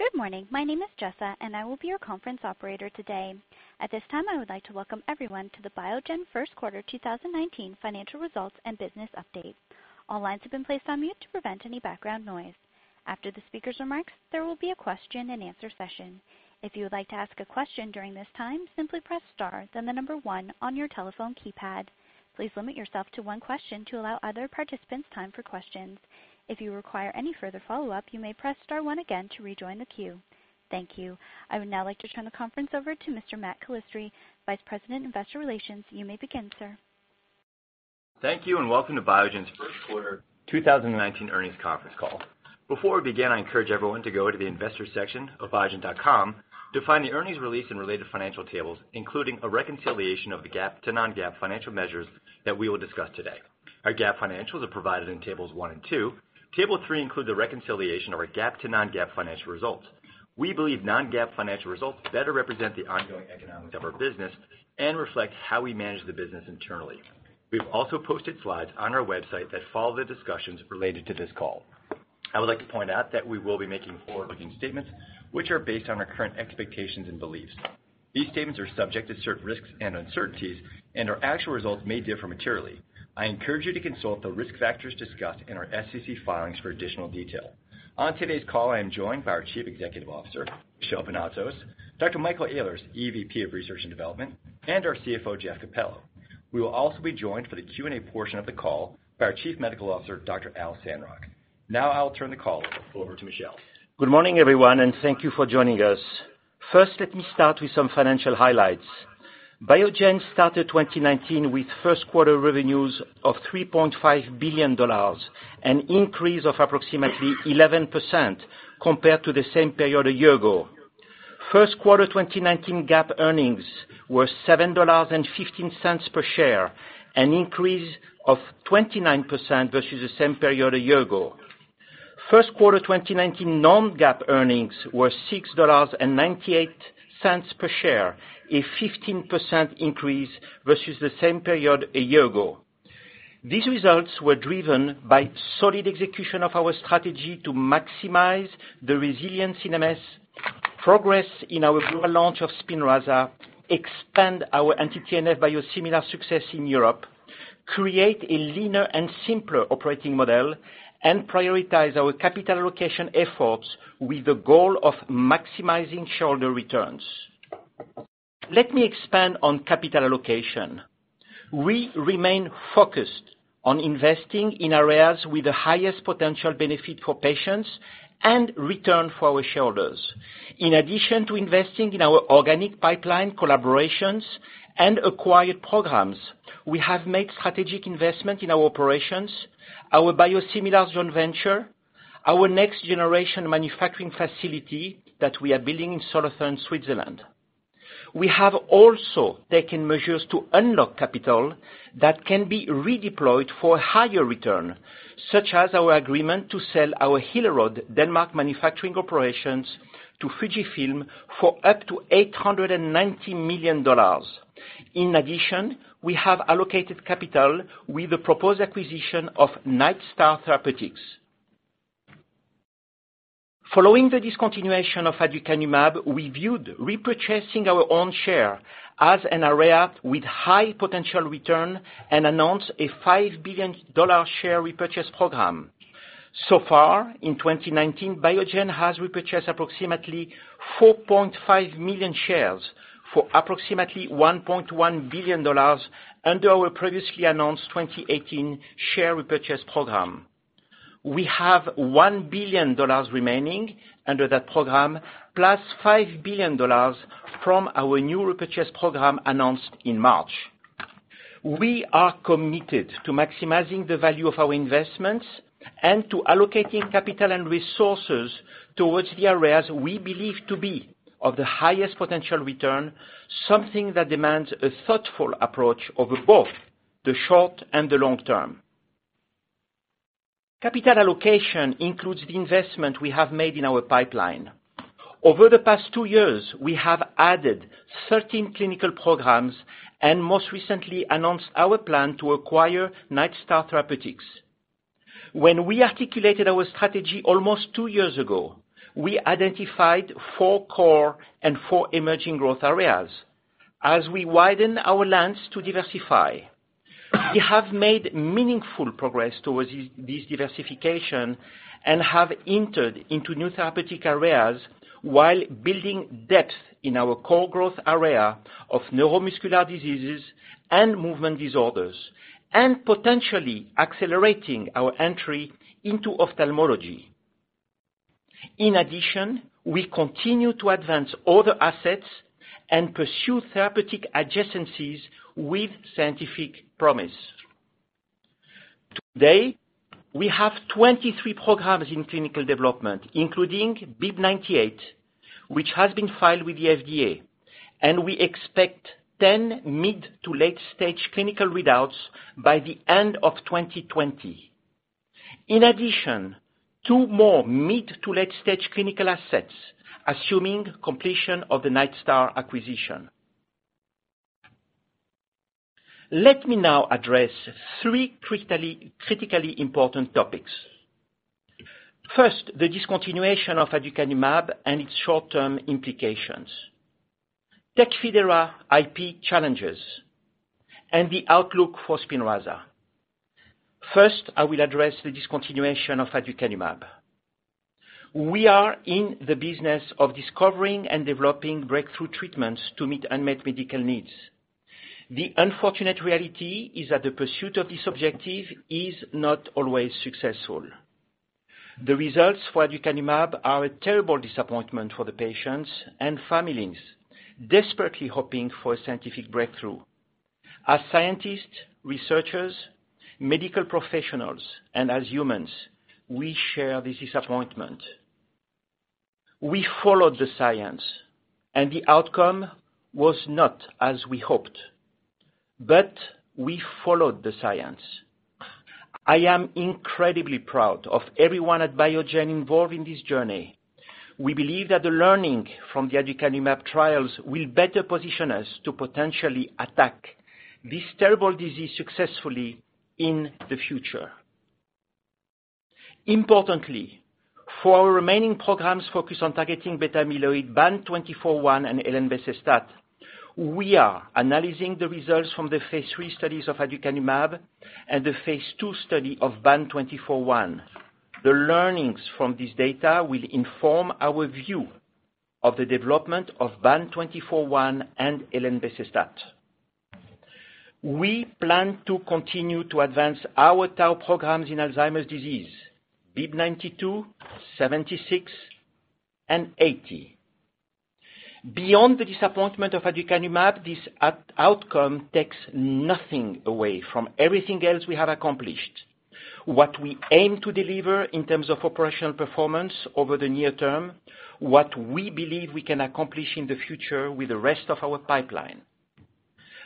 Good morning. My name is Jessa, and I will be your conference operator today. At this time, I would like to welcome everyone to the Biogen First Quarter 2019 Financial Results and Business Update. All lines have been placed on mute to prevent any background noise. After the speaker's remarks, there will be a question and answer session. If you would like to ask a question during this time, simply press star then the number one on your telephone keypad. Please limit yourself to one question to allow other participants time for questions. If you require any further follow-up, you may press star one again to rejoin the queue. Thank you. I would now like to turn the conference over to Mr. Matt Calistri, Vice President, Investor Relations. You may begin, sir. Thank you. Welcome to Biogen's first quarter 2019 earnings conference call. Before we begin, I encourage everyone to go to the investor section of biogen.com to find the earnings release and related financial tables, including a reconciliation of the GAAP to non-GAAP financial measures that we will discuss today. Our GAAP financials are provided in tables one and two. Table three include the reconciliation of our GAAP to non-GAAP financial results. We believe non-GAAP financial results better represent the ongoing economics of our business and reflect how we manage the business internally. We've also posted slides on our website that follow the discussions related to this call. I would like to point out that we will be making forward-looking statements, which are based on our current expectations and beliefs. These statements are subject to certain risks and uncertainties, and our actual results may differ materially. I encourage you to consult the risk factors discussed in our SEC filings for additional detail. On today's call, I am joined by our Chief Executive Officer, Michel Vounatsos, Dr. Michael Ehlers, EVP of Research and Development, and our CFO, Jeff Capello. We will also be joined for the Q&A portion of the call by our Chief Medical Officer, Dr. Al Sandrock. I'll turn the call over to Michel. Good morning, everyone. Thank you for joining us. First, let me start with some financial highlights. Biogen started 2019 with first-quarter revenues of $3.5 billion, an increase of approximately 11% compared to the same period a year ago. First quarter 2019 GAAP earnings were $7.15 per share, an increase of 29% versus the same period a year ago. First quarter 2019 non-GAAP earnings were $6.98 per share, a 15% increase versus the same period a year ago. These results were driven by solid execution of our strategy to maximize the resilience in MS, progress in our global launch of SPINRAZA, expand our anti-TNF biosimilar success in Europe, create a leaner and simpler operating model, and prioritize our capital allocation efforts with the goal of maximizing shareholder returns. Let me expand on capital allocation. We remain focused on investing in areas with the highest potential benefit for patients and return for our shareholders. In addition to investing in our organic pipeline collaborations and acquired programs, we have made strategic investment in our operations, our biosimilars joint venture, our next-generation manufacturing facility that we are building in Southern Switzerland. We have also taken measures to unlock capital that can be redeployed for higher return, such as our agreement to sell our Hillerød, Denmark manufacturing operations to Fujifilm for up to $890 million. In addition, we have allocated capital with the proposed acquisition of Nightstar Therapeutics. Following the discontinuation of aducanumab, we viewed repurchasing our own share as an area with high potential return and announced a $5 billion share repurchase program. So far, in 2019, Biogen has repurchased approximately 4.5 million shares for approximately $1.1 billion under our previously announced 2018 share repurchase program. We have $1 billion remaining under that program, plus $5 billion from our new repurchase program announced in March. We are committed to maximizing the value of our investments and to allocating capital and resources towards the areas we believe to be of the highest potential return, something that demands a thoughtful approach over both the short and the long term. Capital allocation includes the investment we have made in our pipeline. Over the past two years, we have added 13 clinical programs and most recently announced our plan to acquire Nightstar Therapeutics. When we articulated our strategy almost two years ago, we identified four core and four emerging growth areas. As we widen our lens to diversify, we have made meaningful progress towards this diversification and have entered into new therapeutic areas while building depth in our core growth area of neuromuscular diseases and movement disorders, and potentially accelerating our entry into ophthalmology. In addition, we continue to advance other assets and pursue therapeutic adjacencies with scientific promise. Today, we have 23 programs in clinical development, including BIIB098, which has been filed with the FDA, and we expect 10 mid to late-stage clinical readouts by the end of 2020. In addition, two more mid to late-stage clinical assets, assuming completion of the Nightstar acquisition. Let me now address three critically important topics. First, the discontinuation of aducanumab and its short-term implications. TECFIDERA IP challenges, and the outlook for SPINRAZA. First, I will address the discontinuation of aducanumab. We are in the business of discovering and developing breakthrough treatments to meet unmet medical needs. The unfortunate reality is that the pursuit of this objective is not always successful. The results for aducanumab are a terrible disappointment for the patients and families desperately hoping for a scientific breakthrough. As scientists, researchers, medical professionals, and as humans, we share this disappointment. We followed the science, and the outcome was not as we hoped. We followed the science. I am incredibly proud of everyone at Biogen involved in this journey. We believe that the learning from the aducanumab trials will better position us to potentially attack this terrible disease successfully in the future. Importantly, for our remaining programs focused on targeting beta amyloid BAN2401 and elenbecestat, we are analyzing the results from the phase III studies of aducanumab and the phase II study of BAN2401. The learnings from this data will inform our view of the development of BAN2401 and elenbecestat. We plan to continue to advance our tau programs in Alzheimer's disease, BIIB092, 76, and 80. Beyond the disappointment of aducanumab, this outcome takes nothing away from everything else we have accomplished. What we aim to deliver in terms of operational performance over the near term, what we believe we can accomplish in the future with the rest of our pipeline.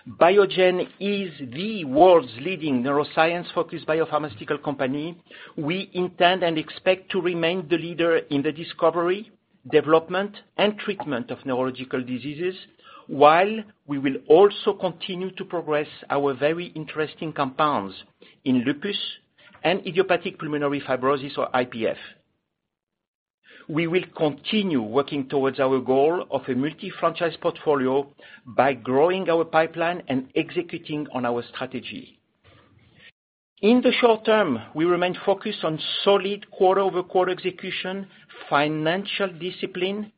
Biogen is the world's leading neuroscience-focused biopharmaceutical company. We intend and expect to remain the leader in the discovery, development, and treatment of neurological diseases, while we will also continue to progress our very interesting compounds in lupus and idiopathic pulmonary fibrosis or IPF. We will continue working towards our goal of a multi-franchise portfolio by growing our pipeline and executing on our strategy. In the short term, we remain focused on solid quarter-over-quarter execution, financial discipline,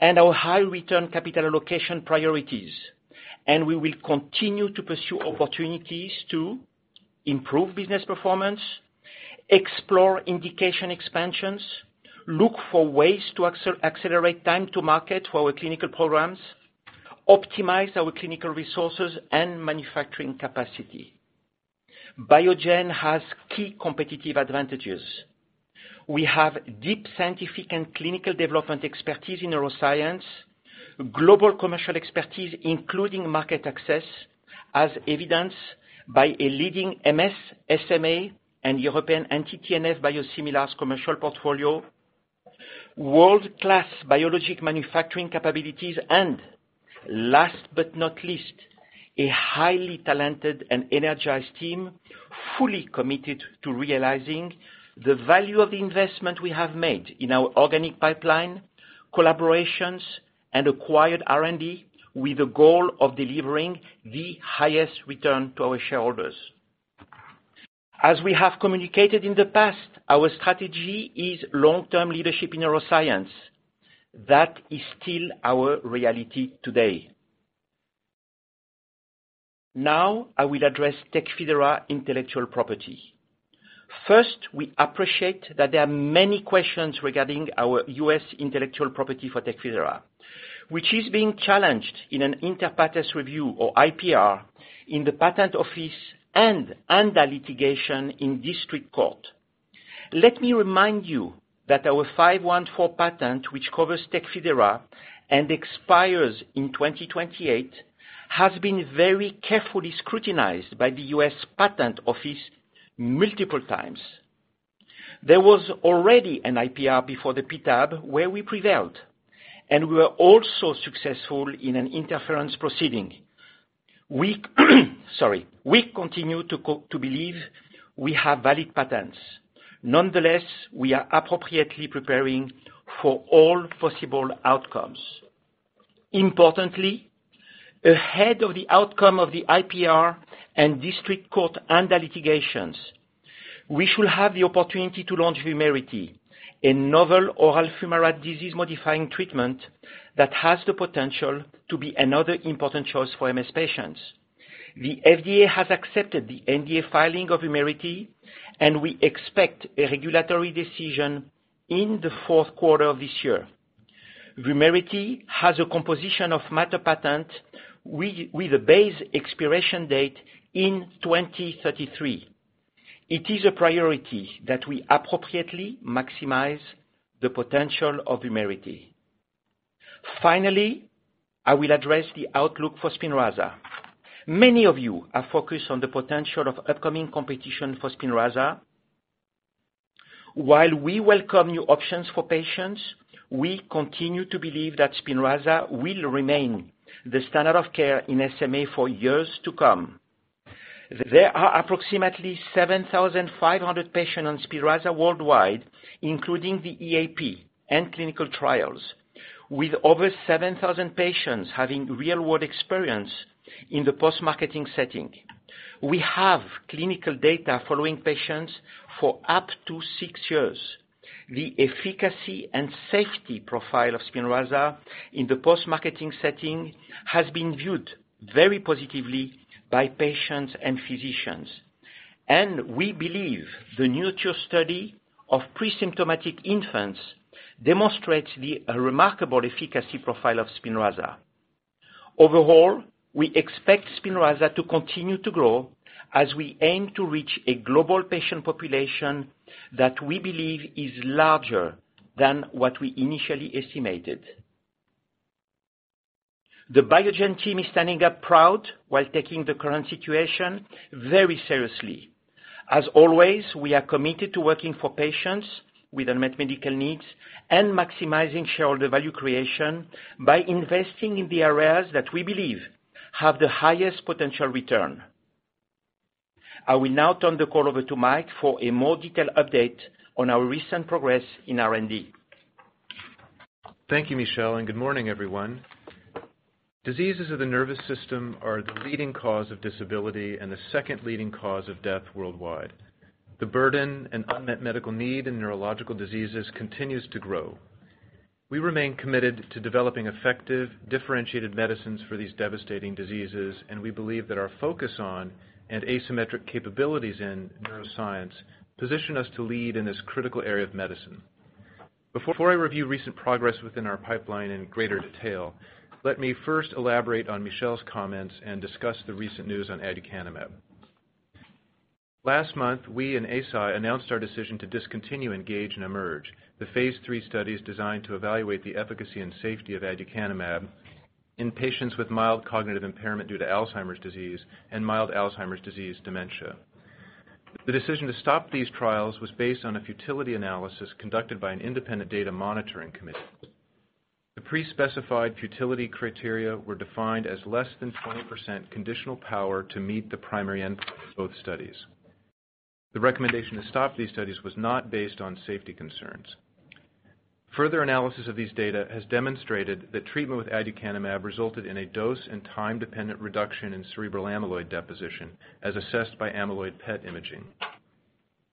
and our high return capital allocation priorities. We will continue to pursue opportunities to improve business performance, explore indication expansions, look for ways to accelerate time to market for our clinical programs, optimize our clinical resources and manufacturing capacity. Biogen has key competitive advantages. We have deep scientific and clinical development expertise in neuroscience, global commercial expertise, including market access, as evidenced by a leading MS, SMA, and European anti-TNF biosimilars commercial portfolio, world-class biologic manufacturing capabilities, and last but not least, a highly talented and energized team fully committed to realizing the value of investment we have made in our organic pipeline, collaborations, and acquired R&D with the goal of delivering the highest return to our shareholders. As we have communicated in the past, our strategy is long-term leadership in neuroscience. That is still our reality today. Now, I will address TECFIDERA intellectual property. First, we appreciate that there are many questions regarding our U.S. intellectual property for TECFIDERA, which is being challenged in an Inter Partes review or IPR in the patent office and ANDA litigation in district court. Let me remind you that our '514 patent, which covers TECFIDERA and expires in 2028, has been very carefully scrutinized by the U.S. Patent Office multiple times. There was already an IPR before the PTAB where we prevailed, and we were also successful in an interference proceeding. We continue to believe we have valid patents. Nonetheless, we are appropriately preparing for all possible outcomes. Importantly, ahead of the outcome of the IPR and district court ANDA litigations, we should have the opportunity to launch Vumerity, a novel oral fumarate disease-modifying treatment that has the potential to be another important choice for MS patients. The FDA has accepted the NDA filing of Vumerity, and we expect a regulatory decision in the fourth quarter of this year. Vumerity has a composition of matter patent with a base expiration date in 2033. It is a priority that we appropriately maximize the potential of Vumerity. Finally, I will address the outlook for SPINRAZA. While we welcome new options for patients, we continue to believe that SPINRAZA will remain the standard of care in SMA for years to come. There are approximately 7,500 patients on SPINRAZA worldwide, including the EAP and clinical trials, with over 7,000 patients having real-world experience in the post-marketing setting. We have clinical data following patients for up to six years. The efficacy and safety profile of SPINRAZA in the post-marketing setting has been viewed very positively by patients and physicians, and we believe the NURTURE study of pre-symptomatic infants demonstrates the remarkable efficacy profile of SPINRAZA. Overall, we expect SPINRAZA to continue to grow as we aim to reach a global patient population that we believe is larger than what we initially estimated. The Biogen team is standing up proud while taking the current situation very seriously. As always, we are committed to working for patients with unmet medical needs and maximizing shareholder value creation by investing in the areas that we believe have the highest potential return. I will now turn the call over to Michael for a more detailed update on our recent progress in R&D. Thank you, Michel, and good morning, everyone. Diseases of the nervous system are the leading cause of disability and the second leading cause of death worldwide. The burden and unmet medical need in neurological diseases continues to grow. We remain committed to developing effective differentiated medicines for these devastating diseases, and we believe that our focus on and asymmetric capabilities in neuroscience position us to lead in this critical area of medicine. Before I review recent progress within our pipeline in greater detail, let me first elaborate on Michel's comments and discuss the recent news on aducanumab. Last month, we and Eisai announced our decision to discontinue ENGAGE and EMERGE, the phase III studies designed to evaluate the efficacy and safety of aducanumab in patients with mild cognitive impairment due to Alzheimer's disease and mild Alzheimer's disease dementia. The decision to stop these trials was based on a futility analysis conducted by an independent data monitoring committee. The pre-specified futility criteria were defined as less than 20% conditional power to meet the primary endpoint of both studies. The recommendation to stop these studies was not based on safety concerns. Further analysis of these data has demonstrated that treatment with aducanumab resulted in a dose- and time-dependent reduction in cerebral amyloid deposition as assessed by amyloid PET imaging.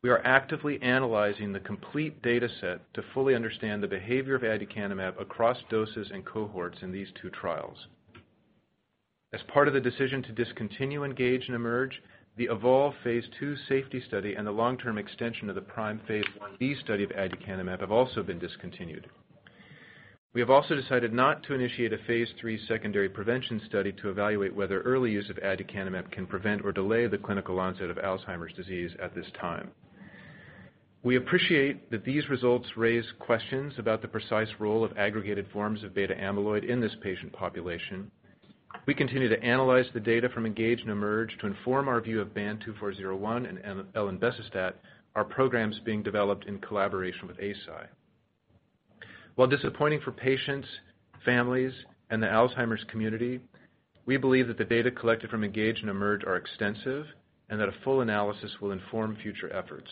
We are actively analyzing the complete data set to fully understand the behavior of aducanumab across doses and cohorts in these two trials. As part of the decision to discontinue ENGAGE and EMERGE, the EVOLVE phase II safety study and the long-term extension of the PRIME phase I-B study of aducanumab have also been discontinued. We have also decided not to initiate a phase III secondary prevention study to evaluate whether early use of aducanumab can prevent or delay the clinical onset of Alzheimer's disease at this time. We appreciate that these results raise questions about the precise role of aggregated forms of beta amyloid in this patient population. We continue to analyze the data from ENGAGE and EMERGE to inform our view of BAN2401 and elenbecestat, our programs being developed in collaboration with Eisai. While disappointing for patients, families, and the Alzheimer's community, we believe that the data collected from ENGAGE and EMERGE are extensive and that a full analysis will inform future efforts.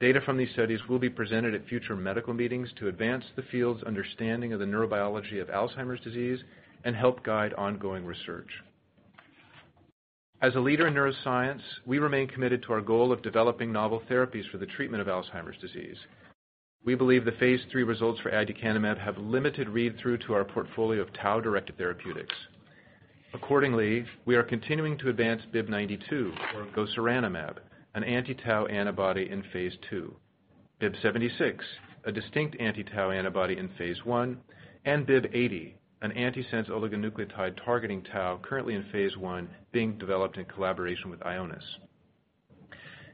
Data from these studies will be presented at future medical meetings to advance the field's understanding of the neurobiology of Alzheimer's disease and help guide ongoing research. As a leader in neuroscience, we remain committed to our goal of developing novel therapies for the treatment of Alzheimer's disease. We believe the phase III results for aducanumab have limited read-through to our portfolio of tau-directed therapeutics. Accordingly, we are continuing to advance BIIB092 or gosuranemab, an anti-tau antibody in phase II, BIIB076, a distinct anti-tau antibody in phase I, and BIIB080, an antisense oligonucleotide targeting tau currently in phase I being developed in collaboration with Ionis.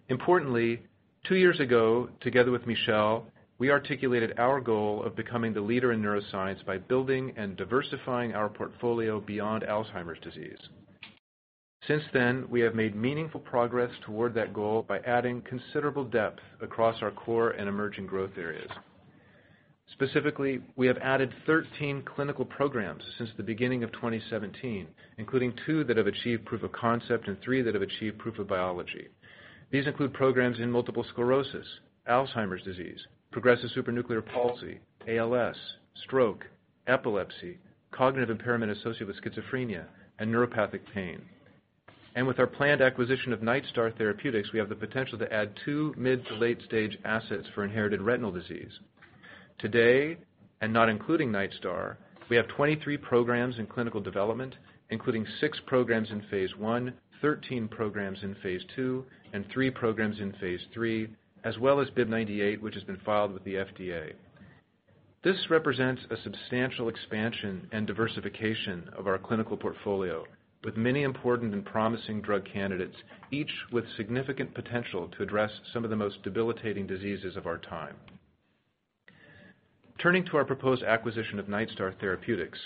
Importantly, two years ago, together with Michel, we articulated our goal of becoming the leader in neuroscience by building and diversifying our portfolio beyond Alzheimer's disease. Since then, we have made meaningful progress toward that goal by adding considerable depth across our core and emerging growth areas. Specifically, we have added 13 clinical programs since the beginning of 2017, including two that have achieved proof of concept and three that have achieved proof of biology. These include programs in multiple sclerosis, Alzheimer's disease, progressive supranuclear palsy, ALS, stroke, epilepsy, cognitive impairment associated with schizophrenia, and neuropathic pain. With our planned acquisition of Nightstar Therapeutics, we have the potential to add two mid to late-stage assets for inherited retinal disease. Today, not including Nightstar, we have 23 programs in clinical development, including six programs in phase I, 13 programs in phase II, and three programs in phase III, as well as BIIB098, which has been filed with the FDA. This represents a substantial expansion and diversification of our clinical portfolio with many important and promising drug candidates, each with significant potential to address some of the most debilitating diseases of our time. Turning to our proposed acquisition of Nightstar Therapeutics.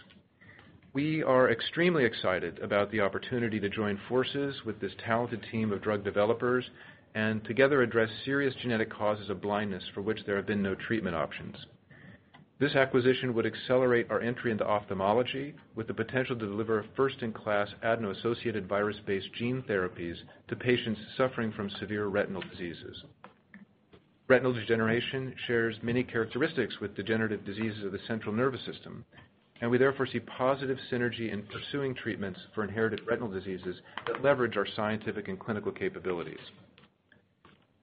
We are extremely excited about the opportunity to join forces with this talented team of drug developers, and together address serious genetic causes of blindness for which there have been no treatment options. This acquisition would accelerate our entry into ophthalmology with the potential to deliver a first-in-class adeno-associated virus-based gene therapies to patients suffering from severe retinal diseases. Retinal degeneration shares many characteristics with degenerative diseases of the central nervous system, and we therefore see positive synergy in pursuing treatments for inherited retinal diseases that leverage our scientific and clinical capabilities.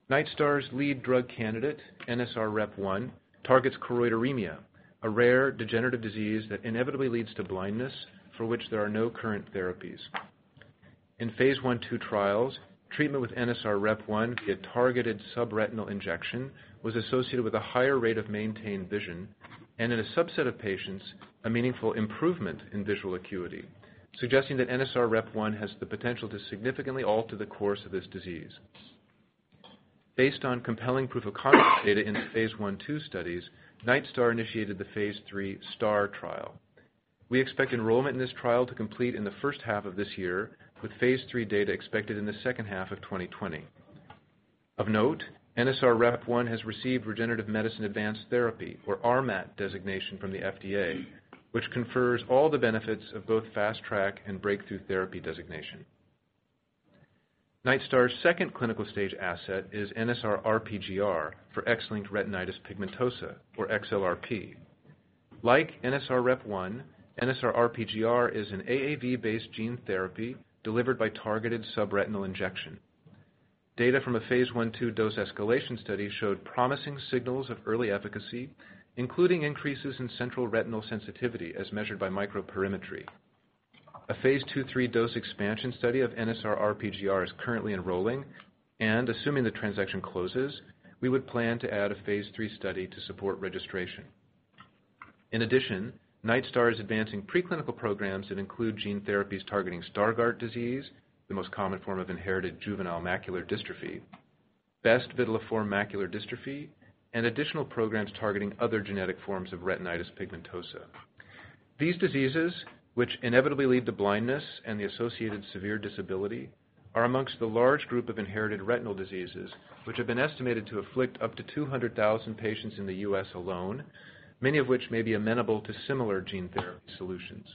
Nightstar's lead drug candidate, NSR-REP1, targets choroideremia, a rare degenerative disease that inevitably leads to blindness, for which there are no current therapies. In phase I/II trials, treatment with NSR-REP1 via targeted subretinal injection was associated with a higher rate of maintained vision, and in a subset of patients, a meaningful improvement in visual acuity. Suggesting that NSR-REP1 has the potential to significantly alter the course of this disease. Based on compelling proof of concept data in phase I/II studies, Nightstar initiated the phase III STAR trial. We expect enrollment in this trial to complete in the first half of this year, with phase III data expected in the second half of 2020. Of note, NSR-REP1 has received Regenerative Medicine Advanced Therapy, or RMAT designation from the FDA, which confers all the benefits of both Fast Track and Breakthrough Therapy designation. Nightstar's second clinical stage asset is NSR-RPGR for X-linked retinitis pigmentosa or XLRP. Like NSR-REP1, NSR-RPGR is an AAV-based gene therapy delivered by targeted subretinal injection. Data from a phase I/II dose escalation study showed promising signals of early efficacy, including increases in central retinal sensitivity as measured by microperimetry. A phase II/III dose expansion study of NSR-RPGR is currently enrolling, and assuming the transaction closes, we would plan to add a phase III study to support registration. In addition, Nightstar is advancing preclinical programs that include gene therapies targeting Stargardt disease, the most common form of inherited juvenile macular dystrophy, Best vitelliform macular dystrophy, and additional programs targeting other genetic forms of retinitis pigmentosa. These diseases, which inevitably lead to blindness and the associated severe disability, are amongst the large group of inherited retinal diseases, which have been estimated to afflict up to 200,000 patients in the U.S. alone, many of which may be amenable to similar gene therapy solutions.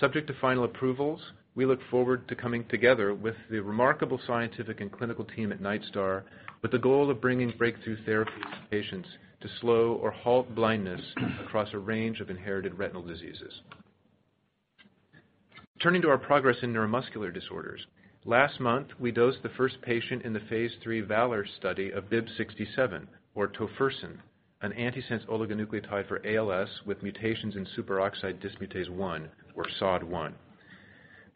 Subject to final approvals, we look forward to coming together with the remarkable scientific and clinical team at Nightstar with the goal of bringing breakthrough therapies to patients to slow or halt blindness across a range of inherited retinal diseases. Turning to our progress in neuromuscular disorders. Last month, we dosed the first patient in the phase III VALOR study of BIIB067 or tofersen, an antisense oligonucleotide for ALS with mutations in superoxide dismutase 1 or SOD1.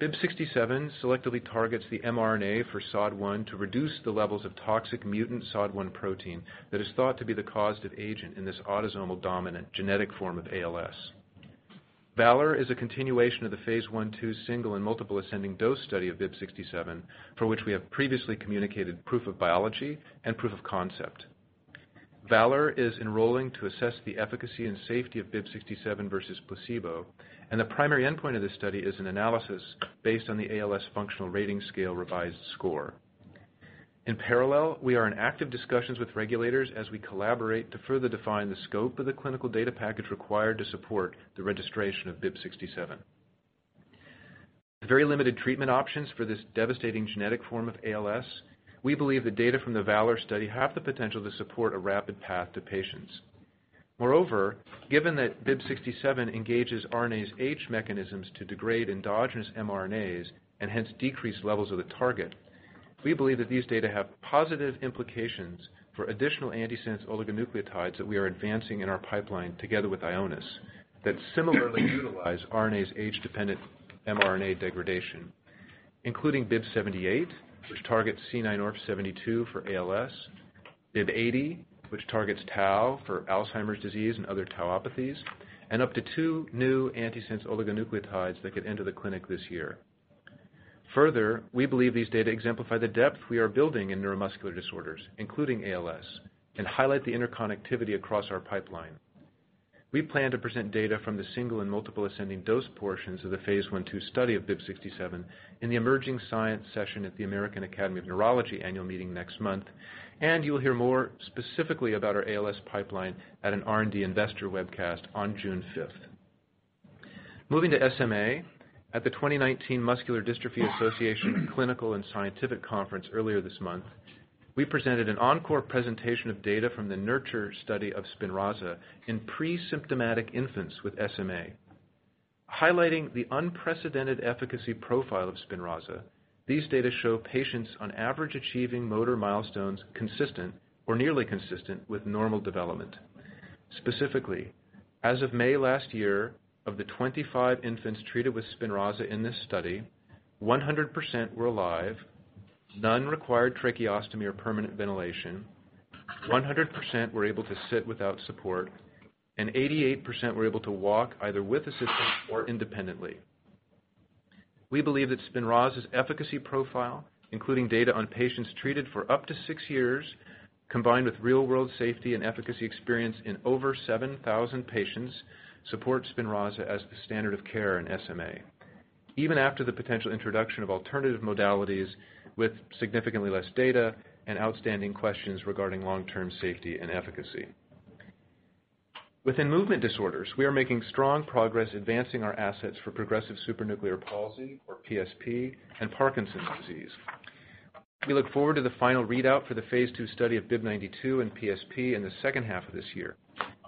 BIIB067 selectively targets the mRNA for SOD1 to reduce the levels of toxic mutant SOD1 protein that is thought to be the causative agent in this autosomal dominant genetic form of ALS. VALOR is a continuation of the phase I/II single and multiple ascending dose study of BIIB067, for which we have previously communicated proof of biology and proof of concept. VALOR is enrolling to assess the efficacy and safety of BIIB067 versus placebo, and the primary endpoint of this study is an analysis based on the Amyotrophic Lateral Sclerosis Functional Rating Scale-Revised score. In parallel, we are in active discussions with regulators as we collaborate to further define the scope of the clinical data package required to support the registration of BIIB067. The very limited treatment options for this devastating genetic form of ALS, we believe the data from the VALOR study have the potential to support a rapid path to patients. Given that BIIB067 engages RNase H mechanisms to degrade endogenous mRNAs and hence decrease levels of the target, we believe that these data have positive implications for additional antisense oligonucleotides that we are advancing in our pipeline together with Ionis, that similarly utilize RNase H-dependent mRNA degradation, including BIIB078, which targets C9orf72 for ALS, BIIB080, which targets tau for Alzheimer's disease and other tauopathies, and up to two new antisense oligonucleotides that could enter the clinic this year. We believe these data exemplify the depth we are building in neuromuscular disorders, including ALS, and highlight the interconnectivity across our pipeline. We plan to present data from the single and multiple ascending dose portions of the phase I/II study of BIIB067 in the Emerging Science session at the American Academy of Neurology annual meeting next month, and you'll hear more specifically about our ALS pipeline at an R&D investor webcast on June 5th. Moving to SMA, at the 2019 Muscular Dystrophy Association Clinical and Scientific Conference earlier this month, we presented an encore presentation of data from the NURTURE study of SPINRAZA in pre-symptomatic infants with SMA. Highlighting the unprecedented efficacy profile of SPINRAZA, these data show patients on average achieving motor milestones consistent or nearly consistent with normal development. As of May last year, of the 25 infants treated with SPINRAZA in this study, 100% were alive, none required tracheostomy or permanent ventilation, 100% were able to sit without support, and 88% were able to walk either with assistance or independently. We believe that SPINRAZA's efficacy profile, including data on patients treated for up to six years, combined with real-world safety and efficacy experience in over 7,000 patients, supports SPINRAZA as the standard of care in SMA, even after the potential introduction of alternative modalities with significantly less data and outstanding questions regarding long-term safety and efficacy. Within movement disorders, we are making strong progress advancing our assets for progressive supranuclear palsy, or PSP, and Parkinson's disease. We look forward to the final readout for the phase II study of BIIB092 and PSP in the second half of this year.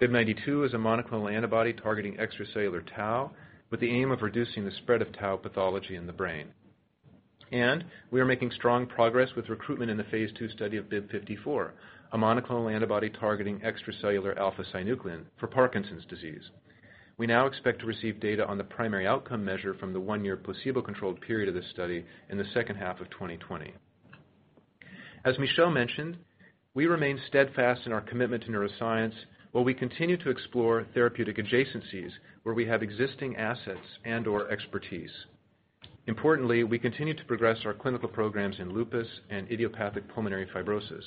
BIIB092 is a monoclonal antibody targeting extracellular tau with the aim of reducing the spread of tau pathology in the brain. We are making strong progress with recruitment in the phase II study of BIIB054, a monoclonal antibody targeting extracellular alpha-synuclein for Parkinson's disease. We now expect to receive data on the primary outcome measure from the one-year placebo-controlled period of this study in the second half of 2020. As Michel mentioned, we remain steadfast in our commitment to neuroscience, while we continue to explore therapeutic adjacencies where we have existing assets and/or expertise. We continue to progress our clinical programs in lupus and idiopathic pulmonary fibrosis.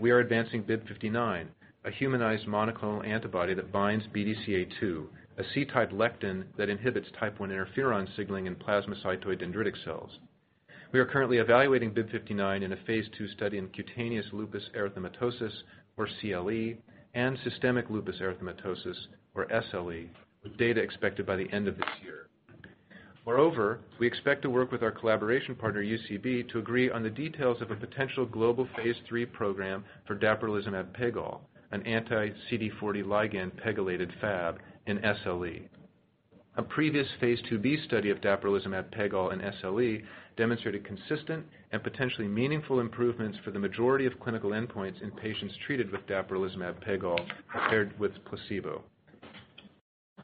We are advancing BIIB059, a humanized monoclonal antibody that binds BDCA-2, a C-type lectin that inhibits type I interferon signaling in plasmacytoid dendritic cells. We are currently evaluating BIIB059 in a phase II study in cutaneous lupus erythematosus, or CLE, and systemic lupus erythematosus, or SLE, with data expected by the end of this year. Moreover, we expect to work with our collaboration partner, UCB, to agree on the details of a potential global phase III program for dapirolizumab pegol, an anti-CD40 ligand pegylated Fab in SLE. A previous phase IIb study of dapirolizumab pegol in SLE demonstrated consistent and potentially meaningful improvements for the majority of clinical endpoints in patients treated with dapirolizumab pegol compared with placebo.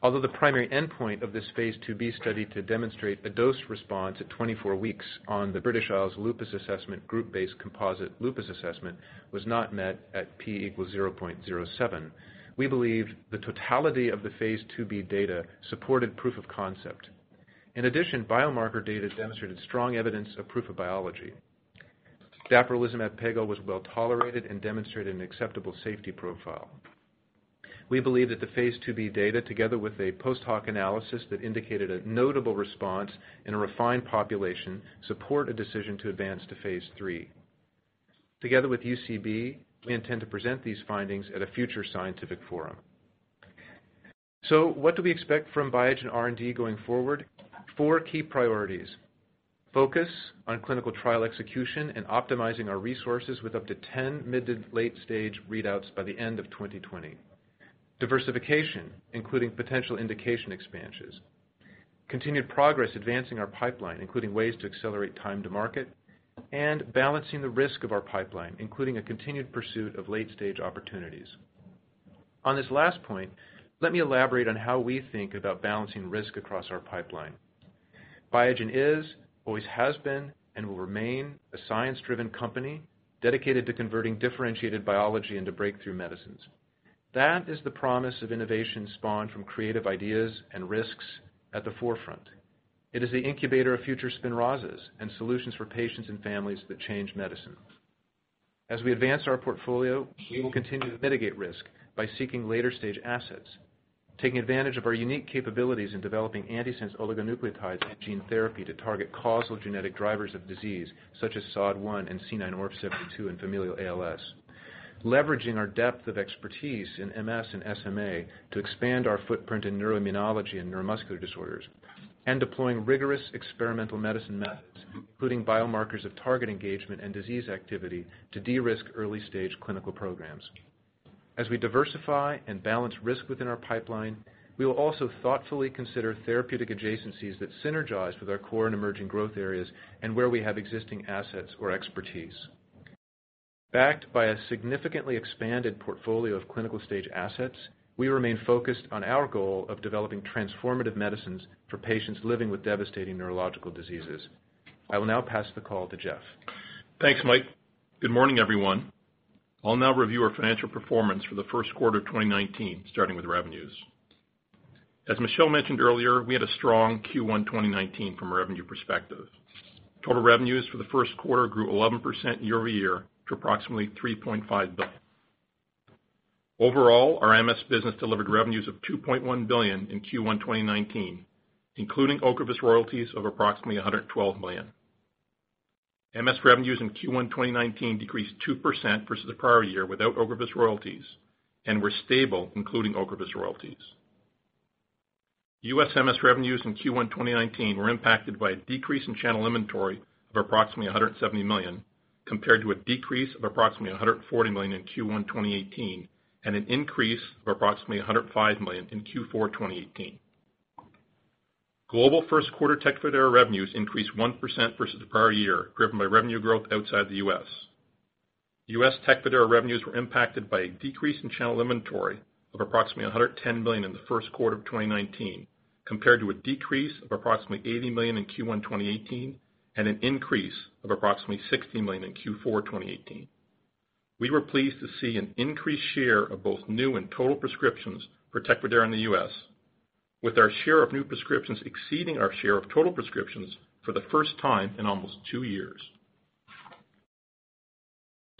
Although the primary endpoint of this phase IIb study to demonstrate a dose response at 24 weeks on the British Isles Lupus Assessment Group-based composite lupus assessment was not met at P equals 0.07, we believe the totality of the phase IIb data supported proof of concept. In addition, biomarker data demonstrated strong evidence of proof of biology. Dapirolizumab pegol was well-tolerated and demonstrated an acceptable safety profile. We believe that the phase IIb data, together with a post hoc analysis that indicated a notable response in a refined population, support a decision to advance to phase III. Together with UCB, we intend to present these findings at a future scientific forum. What do we expect from Biogen R&D going forward? Four key priorities. Focus on clinical trial execution and optimizing our resources with up to 10 mid- to late-stage readouts by the end of 2020. Diversification, including potential indication expansions. Continued progress advancing our pipeline, including ways to accelerate time to market. Balancing the risk of our pipeline, including a continued pursuit of late-stage opportunities. On this last point, let me elaborate on how we think about balancing risk across our pipeline. Biogen is, always has been, and will remain a science-driven company dedicated to converting differentiated biology into breakthrough medicines. That is the promise of innovation spawned from creative ideas and risks at the forefront. It is the incubator of future SPINRAZAs and solutions for patients and families that change medicine. As we advance our portfolio, we will continue to mitigate risk by seeking later-stage assets, taking advantage of our unique capabilities in developing antisense oligonucleotides and gene therapy to target causal genetic drivers of disease such as SOD1 and C9orf72 in familial ALS. Leveraging our depth of expertise in MS and SMA to expand our footprint in neuroimmunology and neuromuscular disorders, and deploying rigorous experimental medicine methods, including biomarkers of target engagement and disease activity to de-risk early-stage clinical programs. As we diversify and balance risk within our pipeline, we will also thoughtfully consider therapeutic adjacencies that synergize with our core and emerging growth areas and where we have existing assets or expertise. Backed by a significantly expanded portfolio of clinical-stage assets, we remain focused on our goal of developing transformative medicines for patients living with devastating neurological diseases. I will now pass the call to Jeff. Thanks, Mike. Good morning, everyone. I will now review our financial performance for the first quarter of 2019, starting with revenues. As Michel mentioned earlier, we had a strong Q1 2019 from a revenue perspective. Total revenues for the first quarter grew 11% year-over-year to approximately $3.5 billion. Overall, our MS business delivered revenues of $2.1 billion in Q1 2019, including OCREVUS royalties of approximately $112 million. MS revenues in Q1 2019 decreased 2% versus the prior year without OCREVUS royalties and were stable, including OCREVUS royalties. U.S. MS revenues in Q1 2019 were impacted by a decrease in channel inventory of approximately $170 million, compared to a decrease of approximately $140 million in Q1 2018 and an increase of approximately $105 million in Q4 2018. Global first quarter TECFIDERA revenues increased 1% versus the prior year, driven by revenue growth outside the U.S. U.S. TECFIDERA revenues were impacted by a decrease in channel inventory of approximately $110 million in the first quarter of 2019, compared to a decrease of approximately $80 million in Q1 2018 and an increase of approximately $60 million in Q4 2018. We were pleased to see an increased share of both new and total prescriptions for TECFIDERA in the U.S., with our share of new prescriptions exceeding our share of total prescriptions for the first time in almost two years.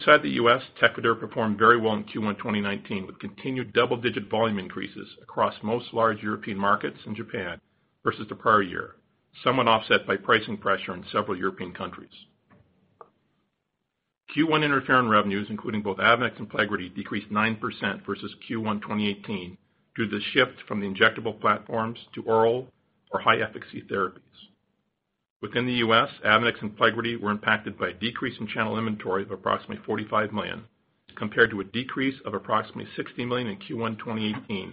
Outside the U.S., TECFIDERA performed very well in Q1 2019 with continued double-digit volume increases across most large European markets in Japan versus the prior year, somewhat offset by pricing pressure in several European countries. Q1 interferon revenues, including both AVONEX and PLEGRIDY, decreased 9% versus Q1 2018 due to the shift from the injectable platforms to oral or high-efficacy therapies. Within the U.S., AVONEX and PLEGRIDY were impacted by a decrease in channel inventory of approximately $45 million, compared to a decrease of approximately $60 million in Q1 2018,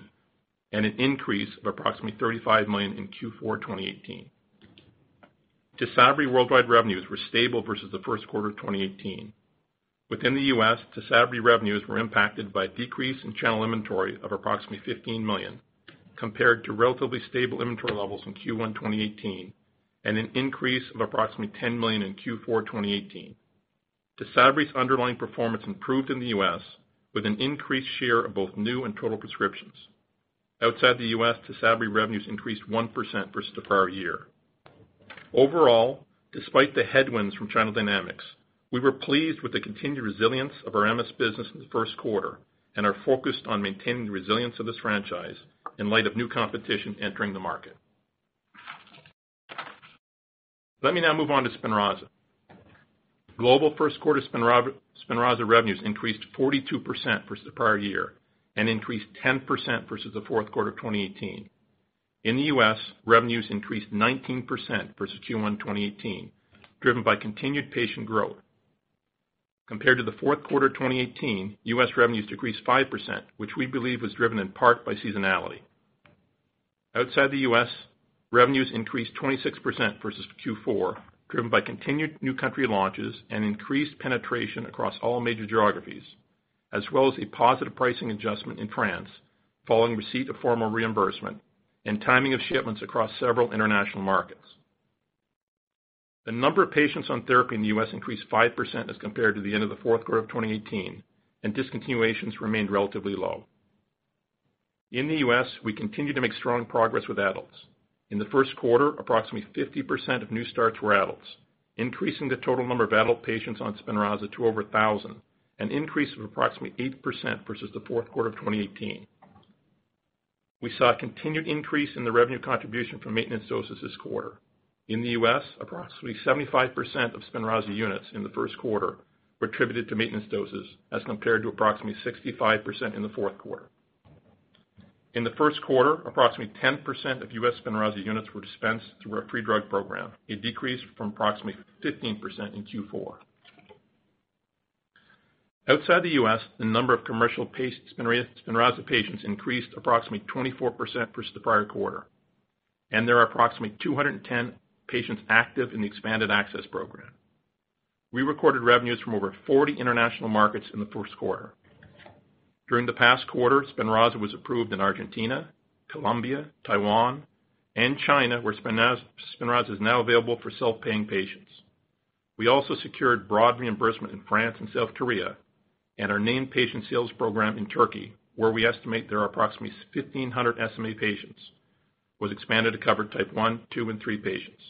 and an increase of approximately $35 million in Q4 2018. TYSABRI worldwide revenues were stable versus the first quarter of 2018. Within the U.S., TYSABRI revenues were impacted by a decrease in channel inventory of approximately $15 million, compared to relatively stable inventory levels in Q1 2018 and an increase of approximately $10 million in Q4 2018. TYSABRI's underlying performance improved in the U.S. with an increased share of both new and total prescriptions. Outside the U.S., TYSABRI revenues increased 1% versus the prior year. Overall, despite the headwinds from channel dynamics, we were pleased with the continued resilience of our MS business in the first quarter and are focused on maintaining the resilience of this franchise in light of new competition entering the market. Let me now move on to SPINRAZA. Global first quarter SPINRAZA revenues increased 42% versus the prior year and increased 10% versus the fourth quarter of 2018. In the U.S., revenues increased 19% versus Q1 2018, driven by continued patient growth. Compared to the fourth quarter of 2018, U.S. revenues decreased 5%, which we believe was driven in part by seasonality. Outside the U.S., revenues increased 26% versus Q4, driven by continued new country launches and increased penetration across all major geographies, as well as a positive pricing adjustment in France following receipt of formal reimbursement and timing of shipments across several international markets. The number of patients on therapy in the U.S. increased 5% as compared to the end of the fourth quarter of 2018, and discontinuations remained relatively low. In the U.S., we continue to make strong progress with adults. In the first quarter, approximately 50% of new starts were adults, increasing the total number of adult patients on SPINRAZA to over 1,000, an increase of approximately 8% versus the fourth quarter of 2018. We saw a continued increase in the revenue contribution from maintenance doses this quarter. In the U.S., approximately 75% of SPINRAZA units in the first quarter were attributed to maintenance doses, as compared to approximately 65% in the fourth quarter. In the first quarter, approximately 10% of U.S. SPINRAZA units were dispensed through our free drug program, a decrease from approximately 15% in Q4. Outside the U.S., the number of commercial SPINRAZA patients increased approximately 24% versus the prior quarter, and there are approximately 210 patients active in the expanded access program. We recorded revenues from over 40 international markets in the first quarter. During the past quarter, SPINRAZA was approved in Argentina, Colombia, Taiwan, and China, where SPINRAZA is now available for self-paying patients. We also secured broad reimbursement in France and South Korea, and our named patient sales program in Turkey, where we estimate there are approximately 1,500 SMA patients, was expanded to cover type 1, 2, and 3 patients.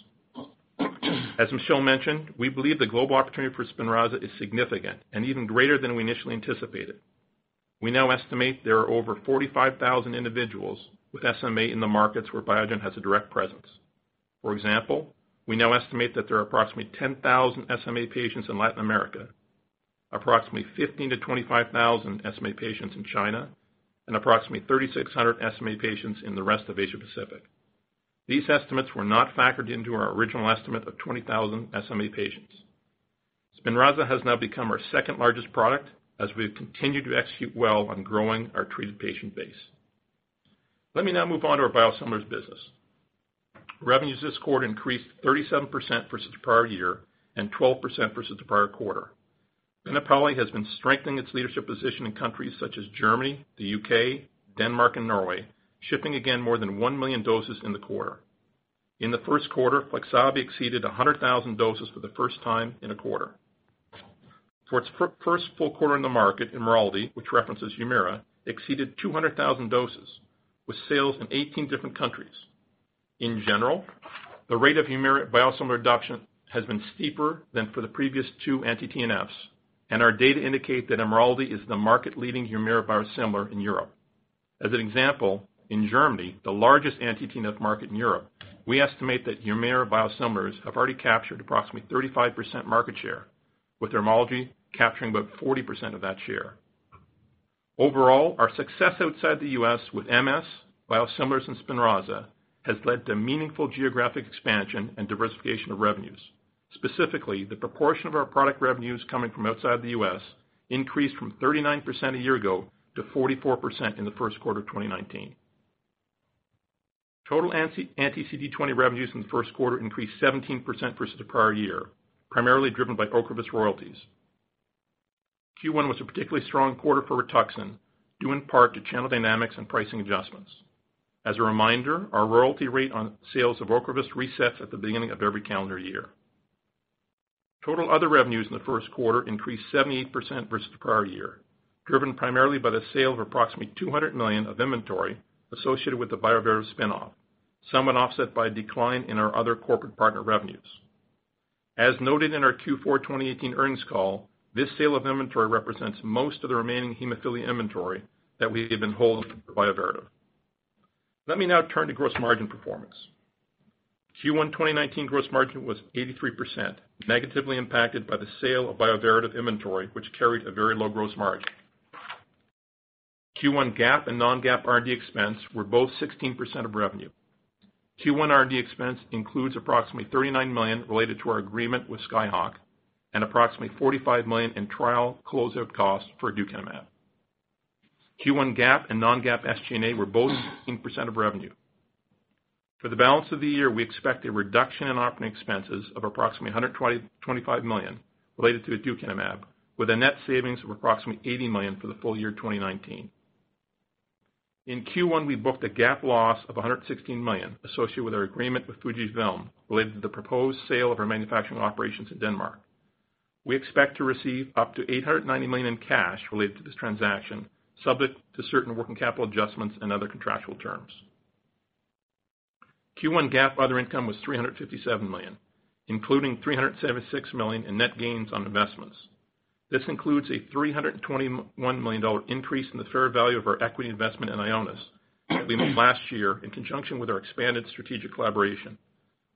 As Michel mentioned, we believe the global opportunity for SPINRAZA is significant and even greater than we initially anticipated. We now estimate there are over 45,000 individuals with SMA in the markets where Biogen has a direct presence. For example, we now estimate that there are approximately 10,000 SMA patients in Latin America, approximately 15,000-25,000 SMA patients in China, and approximately 3,600 SMA patients in the rest of Asia Pacific. These estimates were not factored into our original estimate of 20,000 SMA patients. SPINRAZA has now become our second-largest product as we have continued to execute well on growing our treated patient base. Let me now move on to our biosimilars business. Revenues this quarter increased 37% versus the prior year and 12% versus the prior quarter. Benepali has been strengthening its leadership position in countries such as Germany, the U.K., Denmark, and Norway, shipping again more than 1 million doses in the quarter. In the first quarter, FLIXABI exceeded 100,000 doses for the first time in a quarter. For its first full quarter in the market, IMRALDI, which references HUMIRA, exceeded 200,000 doses with sales in 18 different countries. In general, the rate of HUMIRA biosimilar adoption has been steeper than for the previous two anti-TNFs, and our data indicate that IMRALDI is the market-leading HUMIRA biosimilar in Europe. As an example, in Germany, the largest anti-TNF market in Europe, we estimate that HUMIRA biosimilars have already captured approximately 35% market share, with IMRALDI capturing about 40% of that share. Overall, our success outside the U.S. with MS, biosimilars, and SPINRAZA has led to meaningful geographic expansion and diversification of revenues. Specifically, the proportion of our product revenues coming from outside the U.S. increased from 39% a year ago to 44% in the first quarter of 2019. Total anti-CD20 revenues in the first quarter increased 17% versus the prior year, primarily driven by OCREVUS royalties. Q1 was a particularly strong quarter for RITUXAN, due in part to channel dynamics and pricing adjustments. As a reminder, our royalty rate on sales of OCREVUS resets at the beginning of every calendar year. Total other revenues in the first quarter increased 78% versus the prior year, driven primarily by the sale of approximately $200 million of inventory associated with the Bioverativ spin-off, somewhat offset by a decline in our other corporate partner revenues. As noted in our Q4 2018 earnings call, this sale of inventory represents most of the remaining hemophilia inventory that we had been holding for Bioverativ. Let me now turn to gross margin performance. Q1 2019 gross margin was 83%, negatively impacted by the sale of Bioverativ inventory, which carried a very low gross margin. Q1 GAAP and non-GAAP R&D expense were both 16% of revenue. Q1 R&D expense includes approximately $39 million related to our agreement with Skyhawk and approximately $45 million in trial closeout costs for aducanumab. Q1 GAAP and non-GAAP SG&A were both 16% of revenue. For the balance of the year, we expect a reduction in operating expenses of approximately $125 million related to aducanumab, with a net savings of approximately $80 million for the full year 2019. In Q1, we booked a GAAP loss of $116 million associated with our agreement with Fujifilm related to the proposed sale of our manufacturing operations in Denmark. We expect to receive up to $890 million in cash related to this transaction, subject to certain working capital adjustments and other contractual terms. Q1 GAAP other income was $357 million, including $376 million in net gains on investments. This includes a $321 million increase in the fair value of our equity investment in Ionis that we made last year in conjunction with our expanded strategic collaboration.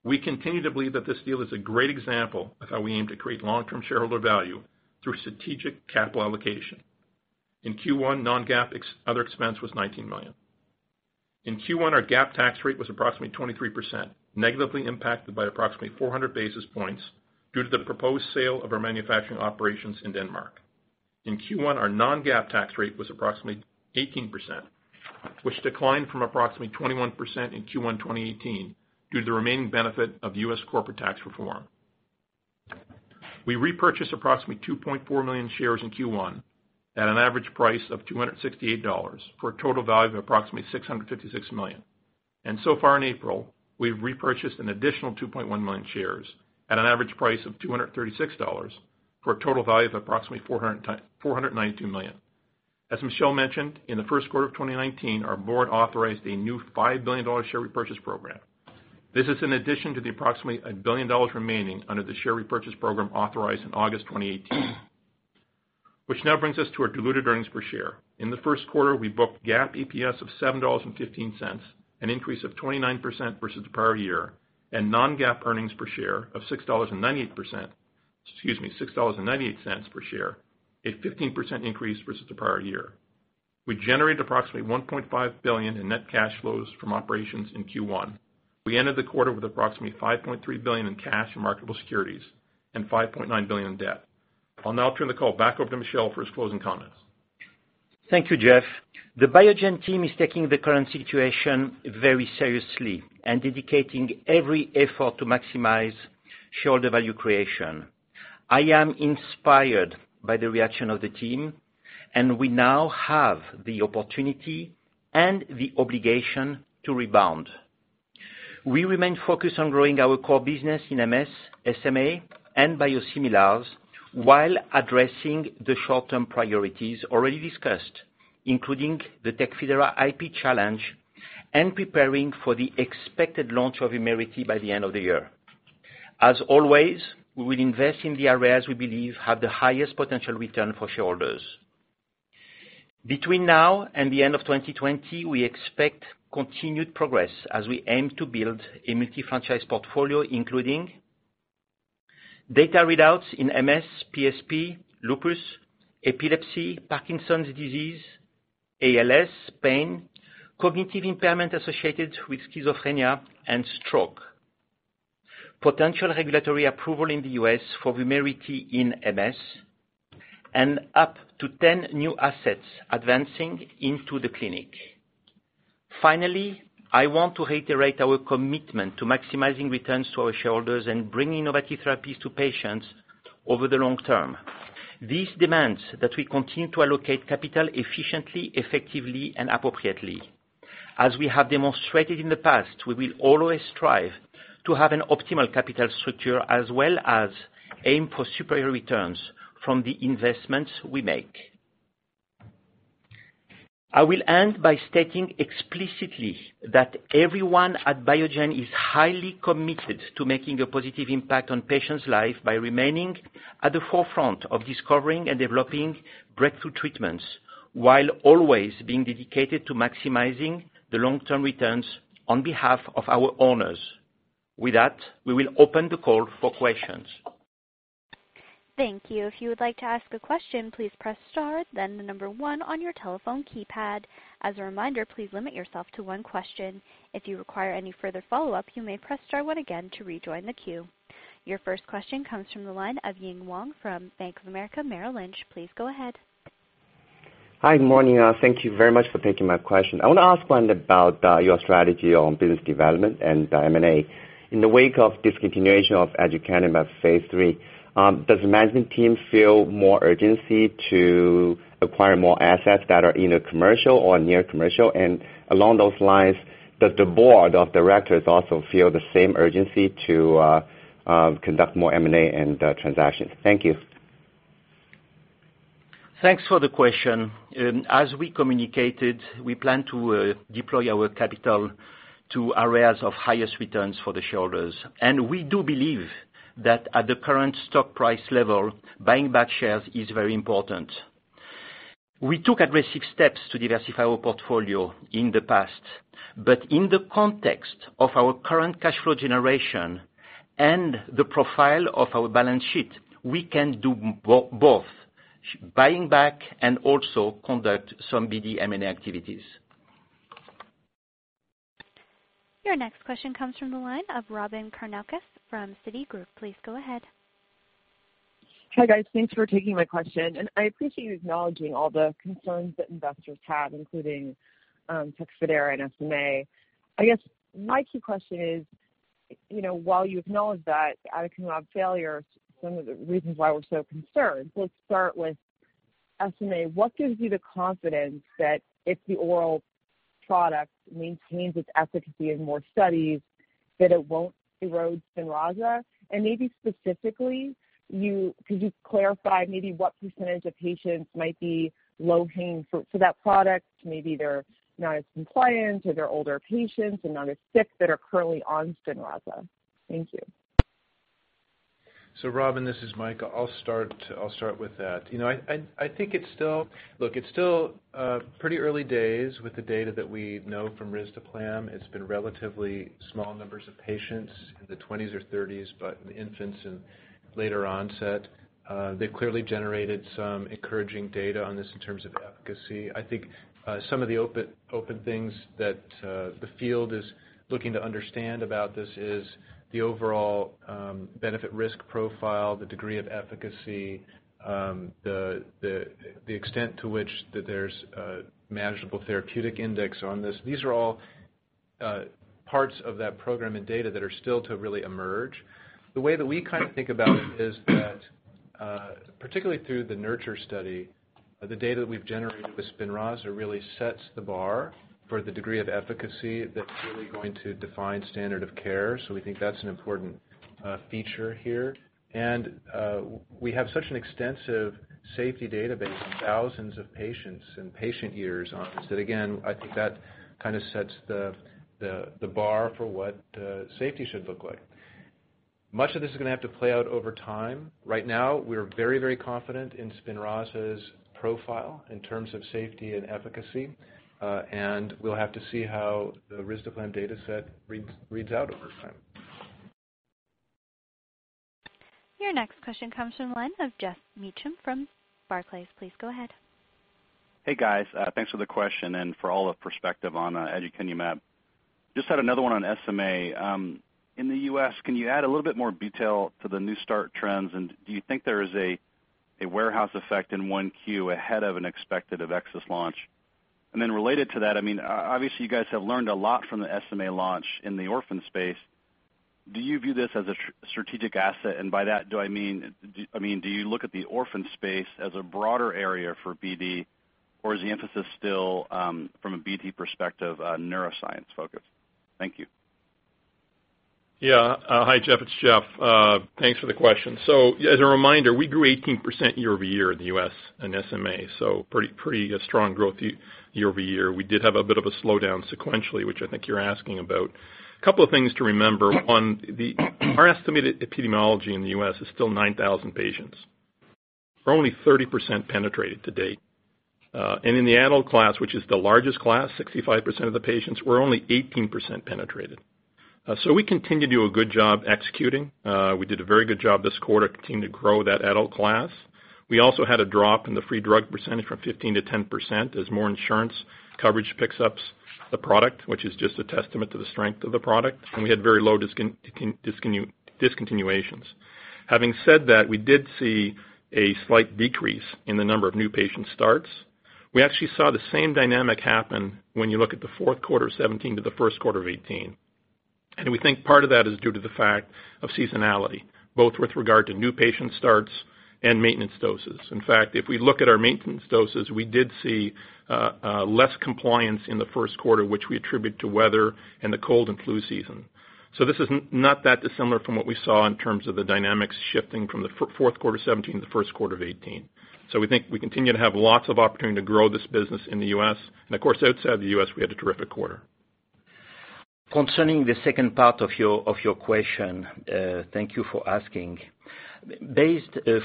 We continue to believe that this deal is a great example of how we aim to create long-term shareholder value through strategic capital allocation. In Q1, non-GAAP other expense was $19 million. In Q1, our GAAP tax rate was approximately 23%, negatively impacted by approximately 400 basis points due to the proposed sale of our manufacturing operations in Denmark. In Q1, our non-GAAP tax rate was approximately 18%, which declined from approximately 21% in Q1 2018 due to the remaining benefit of U.S. corporate tax reform. We repurchased approximately 2.4 million shares in Q1 at an average price of $268 for a total value of approximately $656 million. So far in April, we've repurchased an additional 2.1 million shares at an average price of $236 for a total value of approximately $492 million. As Michel mentioned, in the first quarter of 2019, our board authorized a new $5 billion share repurchase program. This is in addition to the approximately $1 billion remaining under the share repurchase program authorized in August 2018. Now brings us to our diluted earnings per share. In the first quarter, we booked GAAP EPS of $7.15, an increase of 29% versus the prior year, and non-GAAP earnings per share of $6.98, a 15% increase versus the prior year. We generated approximately $1.5 billion in net cash flows from operations in Q1. We ended the quarter with approximately $5.3 billion in cash and marketable securities and $5.9 billion in debt. I'll now turn the call back over to Michel for his closing comments. Thank you, Jeff. The Biogen team is taking the current situation very seriously and dedicating every effort to maximize shareholder value creation. I am inspired by the reaction of the team, and we now have the opportunity and the obligation to rebound. We remain focused on growing our core business in MS, SMA, and biosimilars while addressing the short-term priorities already discussed, including the TECFIDERA IP challenge and preparing for the expected launch of VUMERITY by the end of the year. As always, we will invest in the areas we believe have the highest potential return for shareholders. Between now and the end of 2020, we expect continued progress as we aim to build a multi-franchise portfolio, including data readouts in MS, PSP, lupus, epilepsy, Parkinson's disease, ALS, pain, cognitive impairment associated with schizophrenia, and stroke. Potential regulatory approval in the U.S. for VUMERITY in MS and up to 10 new assets advancing into the clinic. I want to reiterate our commitment to maximizing returns to our shareholders and bringing innovative therapies to patients over the long term. This demands that we continue to allocate capital efficiently, effectively, and appropriately. As we have demonstrated in the past, we will always strive to have an optimal capital structure as well as aim for superior returns from the investments we make. I will end by stating explicitly that everyone at Biogen is highly committed to making a positive impact on patients' life by remaining at the forefront of discovering and developing breakthrough treatments while always being dedicated to maximizing the long-term returns on behalf of our owners. We will open the call for questions. Thank you. If you would like to ask a question, please press star, then the number one on your telephone keypad. As a reminder, please limit yourself to one question. If you require any further follow-up, you may press star one again to rejoin the queue. Your first question comes from the line of Ying Huang from Bank of America Merrill Lynch. Please go ahead. Hi, good morning. Thank you very much for taking my question. I want to ask one about your strategy on business development and M&A. In the wake of discontinuation of aducanumab phase III, does the management team feel more urgency to acquire more assets that are either commercial or near commercial? Along those lines, does the board of directors also feel the same urgency to conduct more M&A and transactions? Thank you. Thanks for the question. As we communicated, we plan to deploy our capital to areas of highest returns for the shareholders. We do believe that at the current stock price level, buying back shares is very important. In the context of our current cash flow generation and the profile of our balance sheet, we can do both, buying back and also conduct some BD M&A activities. Your next question comes from the line of Robyn Karnauskas from Citigroup. Please go ahead. Hi, guys. Thanks for taking my question. I appreciate you acknowledging all the concerns that investors have, including TECFIDERA and SMA. I guess my key question is, while you acknowledge that aducanumab failure is one of the reasons why we're so concerned, let's start with SMA. What gives you the confidence that if the oral product maintains its efficacy in more studies, that it won't erode SPINRAZA? Maybe specifically, could you clarify maybe what percentage of patients might be low-hanging for that product? Maybe they're not as compliant, or they're older patients and not as sick that are currently on SPINRAZA. Thank you. Robyn, this is Mike. I'll start with that. Look, it's still pretty early days with the data that we know from risdiplam. It's been relatively small numbers of patients in the 20s or 30s, but infants and later onset. They've clearly generated some encouraging data on this in terms of efficacy. I think some of the open things that the field is looking to understand about this is the overall benefit risk profile, the degree of efficacy, the extent to which that there's a manageable therapeutic index on this. These are all parts of that program and data that are still to really emerge. The way that we think about it is that, particularly through the NURTURE study, the data that we've generated with SPINRAZA really sets the bar for the degree of efficacy that's really going to define standard of care. We think that's an important feature here. We have such an extensive safety database on thousands of patients and patient years on this, that again, I think that kind of sets the bar for what safety should look like. Much of this is going to have to play out over time. Right now, we're very confident in SPINRAZA's profile in terms of safety and efficacy. We'll have to see how the risdiplam data set reads out over time. Your next question comes from the line of Geoff Meacham from Barclays. Please go ahead. Hey, guys. Thanks for the question, and for all the perspective on aducanumab. Just had another one on SMA. In the U.S., can you add a little bit more detail to the new start trends, and do you think there is a warehouse effect in 1Q ahead of an expected of access launch? Related to that, obviously you guys have learned a lot from the SMA launch in the orphan space. Do you view this as a strategic asset? By that, do I mean, do you look at the orphan space as a broader area for BD, or is the emphasis still, from a BD perspective, neuroscience focus? Thank you. Yeah. Hi, Jessa. It's Jeff. Thanks for the question. As a reminder, we grew 18% year-over-year in the U.S. in SMA, so pretty strong growth year-over-year. We did have a bit of a slowdown sequentially, which I think you're asking about. Couple of things to remember on our estimated epidemiology in the U.S. is still 9,000 patients. We're only 30% penetrated to date. In the adult class, which is the largest class, 65% of the patients, we're only 18% penetrated. We continue to do a good job executing. We did a very good job this quarter continuing to grow that adult class. We also had a drop in the free drug percentage from 15% to 10% as more insurance coverage picks up the product, which is just a testament to the strength of the product. We had very low discontinuations. Having said that, we did see a slight decrease in the number of new patient starts. We actually saw the same dynamic happen when you look at the fourth quarter of 2017 to the first quarter of 2018. We think part of that is due to the fact of seasonality, both with regard to new patient starts and maintenance doses. In fact, if we look at our maintenance doses, we did see less compliance in the first quarter, which we attribute to weather and the cold and flu season. This is not that dissimilar from what we saw in terms of the dynamics shifting from the fourth quarter 2017 to the first quarter of 2018. We think we continue to have lots of opportunity to grow this business in the U.S. Of course, outside the U.S., we had a terrific quarter. Concerning the second part of your question, thank you for asking.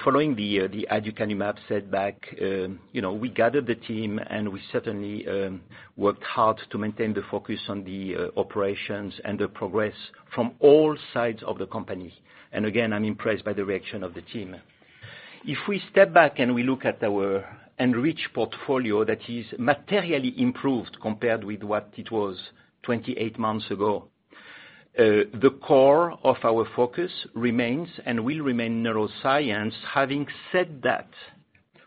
Following the aducanumab setback, we gathered the team, we certainly worked hard to maintain the focus on the operations and the progress from all sides of the company. Again, I'm impressed by the reaction of the team. If we step back and we look at our enriched portfolio that is materially improved compared with what it was 28 months ago. The core of our focus remains and will remain neuroscience. Having said that,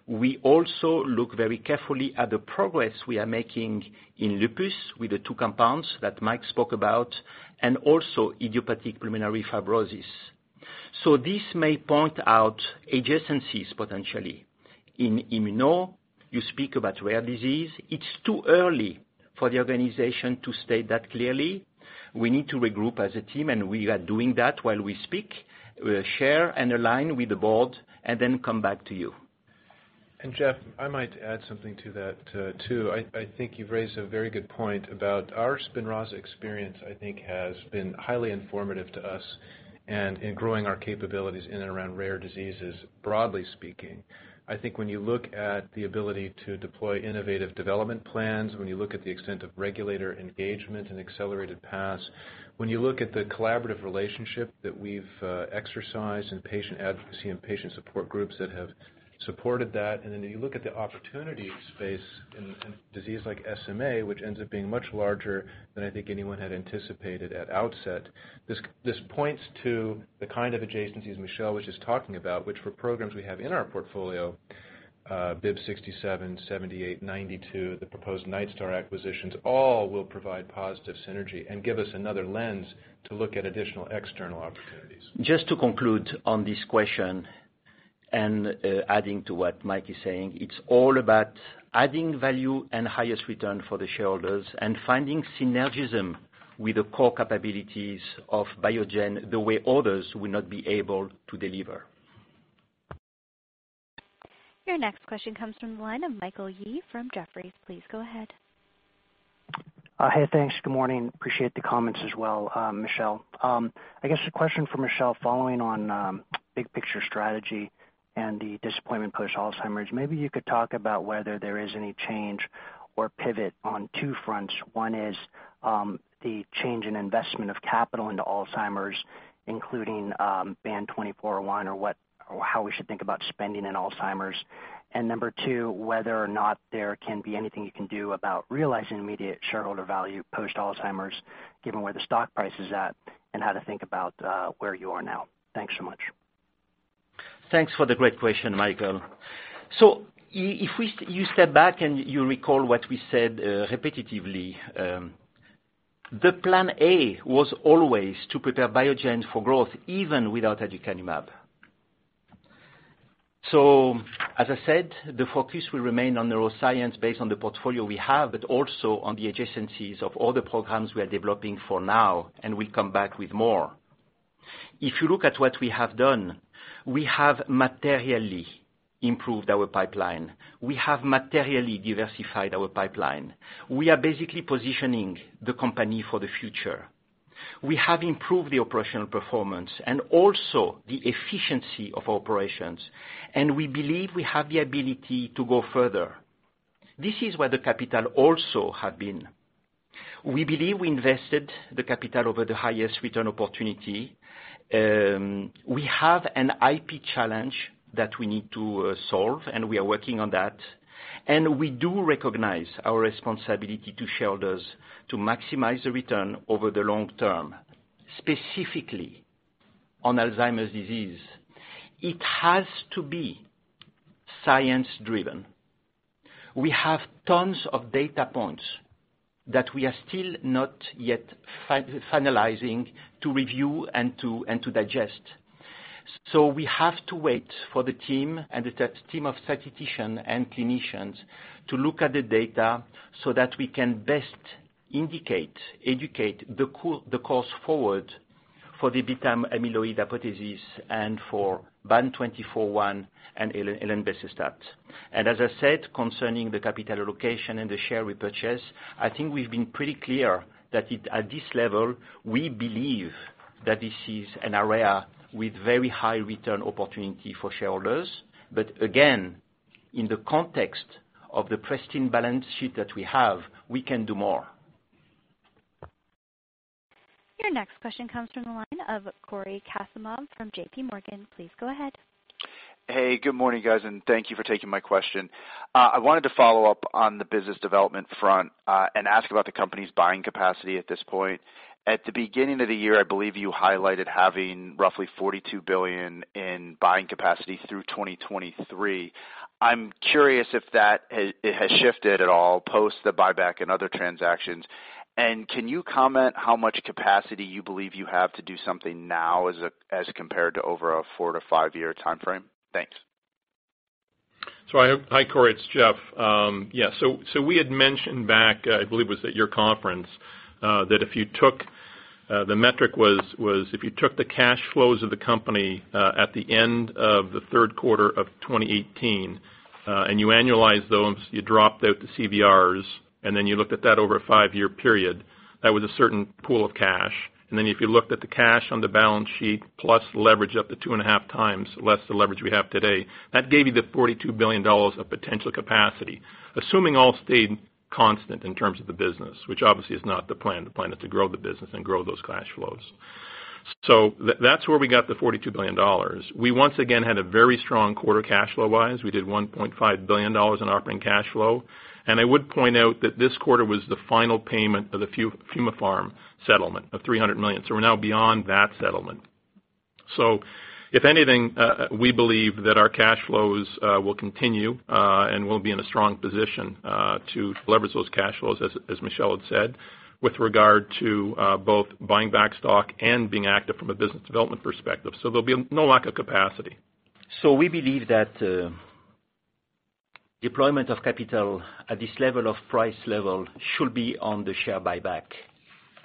we also look very carefully at the progress we are making in lupus with the two compounds that Mike spoke about, and also idiopathic pulmonary fibrosis. This may point out adjacencies potentially. In immuno, you speak about rare disease. It's too early for the organization to state that clearly. We need to regroup as a team, and we are doing that while we speak. We'll share and align with the board then come back to you. Jeff, I might add something to that, too. I think you've raised a very good point about our SPINRAZA experience, I think, has been highly informative to us and in growing our capabilities in and around rare diseases, broadly speaking. I think when you look at the ability to deploy innovative development plans, when you look at the extent of regulator engagement and accelerated paths, when you look at the collaborative relationship that we've exercised in patient advocacy and patient support groups that have supported that, then you look at the opportunity space in disease like SMA, which ends up being much larger than I think anyone had anticipated at outset. This points to the kind of adjacencies Michel was just talking about, which for programs we have in our portfolio, BIIB067, BIIB078, BIIB092, the proposed Nightstar acquisitions, all will provide positive synergy and give us another lens to look at additional external opportunities. Just to conclude on this question, adding to what Mike is saying, it's all about adding value and highest return for the shareholders and finding synergism with the core capabilities of Biogen, the way others will not be able to deliver. Your next question comes from the line of Michael Yee from Jefferies. Please go ahead. Hey, thanks. Good morning. Appreciate the comments as well, Michel. I guess a question for Michel following on big picture strategy and the disappointment post Alzheimer's. Maybe you could talk about whether there is any change or pivot on two fronts. One is the change in investment of capital into Alzheimer's, including BAN2401, or how we should think about spending in Alzheimer's. Number two, whether or not there can be anything you can do about realizing immediate shareholder value post Alzheimer's, given where the stock price is at, and how to think about where you are now. Thanks so much. Thanks for the great question, Michael. If you step back and you recall what we said repetitively, the plan A was always to prepare Biogen for growth even without aducanumab. As I said, the focus will remain on neuroscience based on the portfolio we have, but also on the adjacencies of all the programs we are developing for now, and we'll come back with more. If you look at what we have done, we have materially improved our pipeline. We have materially diversified our pipeline. We are basically positioning the company for the future. We have improved the operational performance and also the efficiency of operations, and we believe we have the ability to go further. This is where the capital also has been. We believe we invested the capital over the highest return opportunity. We have an IP challenge that we need to solve, and we are working on that, and we do recognize our responsibility to shareholders to maximize the return over the long term, specifically on Alzheimer's disease. It has to be science-driven. We have tons of data points that we are still not yet finalizing to review and to digest. We have to wait for the team and the team of statisticians and clinicians to look at the data so that we can best indicate, educate the course forward for the beta amyloid hypothesis and for BAN2401 and elenbecestat. As I said, concerning the capital allocation and the share repurchase, I think we've been pretty clear that at this level, we believe that this is an area with very high return opportunity for shareholders. Again, in the context of the pristine balance sheet that we have, we can do more. Your next question comes from the line of Cory Kasimov from JPMorgan. Please go ahead. Hey, good morning, guys, and thank you for taking my question. I wanted to follow up on the business development front and ask about the company's buying capacity at this point. At the beginning of the year, I believe you highlighted having roughly $42 billion in buying capacity through 2023. I'm curious if that has shifted at all post the buyback and other transactions. Can you comment how much capacity you believe you have to do something now as compared to over a four to five-year timeframe? Thanks. Hi, Cory. It's Jeff. We had mentioned back, I believe it was at your conference, that the metric was if you took the cash flows of the company at the end of the third quarter of 2018, and you annualize those, you dropped out the CVRs, and then you looked at that over a five-year period, that was a certain pool of cash. If you looked at the cash on the balance sheet plus leverage up to two and a half times less the leverage we have today, that gave you the $42 billion of potential capacity. Assuming all stayed constant in terms of the business, which obviously is not the plan. The plan is to grow the business and grow those cash flows. That's where we got the $42 billion. We once again had a very strong quarter cash flow-wise. We did $1.5 billion in operating cash flow. I would point out that this quarter was the final payment of the Fumapharm settlement of $300 million. We're now beyond that settlement. If anything, we believe that our cash flows will continue, and we'll be in a strong position to leverage those cash flows, as Michel had said, with regard to both buying back stock and being active from a business development perspective. There'll be no lack of capacity. We believe that deployment of capital at this level of price level should be on the share buyback.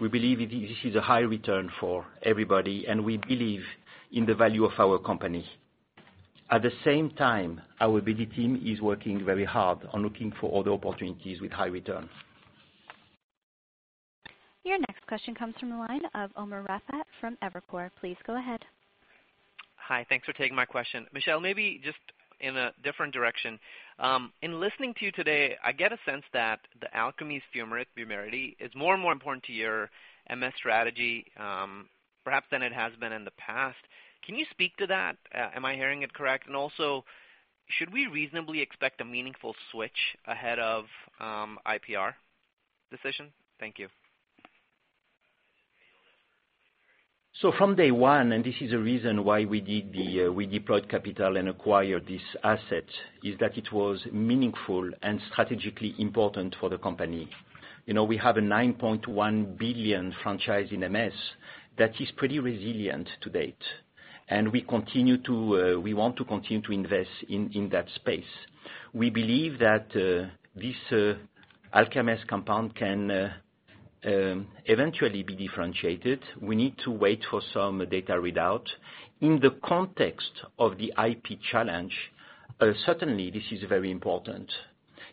We believe this is a high return for everybody, and we believe in the value of our company. At the same time, our BD team is working very hard on looking for other opportunities with high return. Your next question comes from the line of Umer Raffat from Evercore. Please go ahead. Hi. Thanks for taking my question. Michel, maybe just in a different direction. In listening to you today, I get a sense that the Alkermes fumarate, VUMERITY, is more and more important to your MS strategy, perhaps than it has been in the past. Can you speak to that? Am I hearing it correct? Also, should we reasonably expect a meaningful switch ahead of IPR decision? Thank you. From day one, this is a reason why we deployed capital and acquired this asset, is that it was meaningful and strategically important for the company. We have a $9.1 billion franchise in MS that is pretty resilient to date. We want to continue to invest in that space. We believe that this Alkermes compound can eventually be differentiated. We need to wait for some data readout. In the context of the IP challenge, certainly this is very important.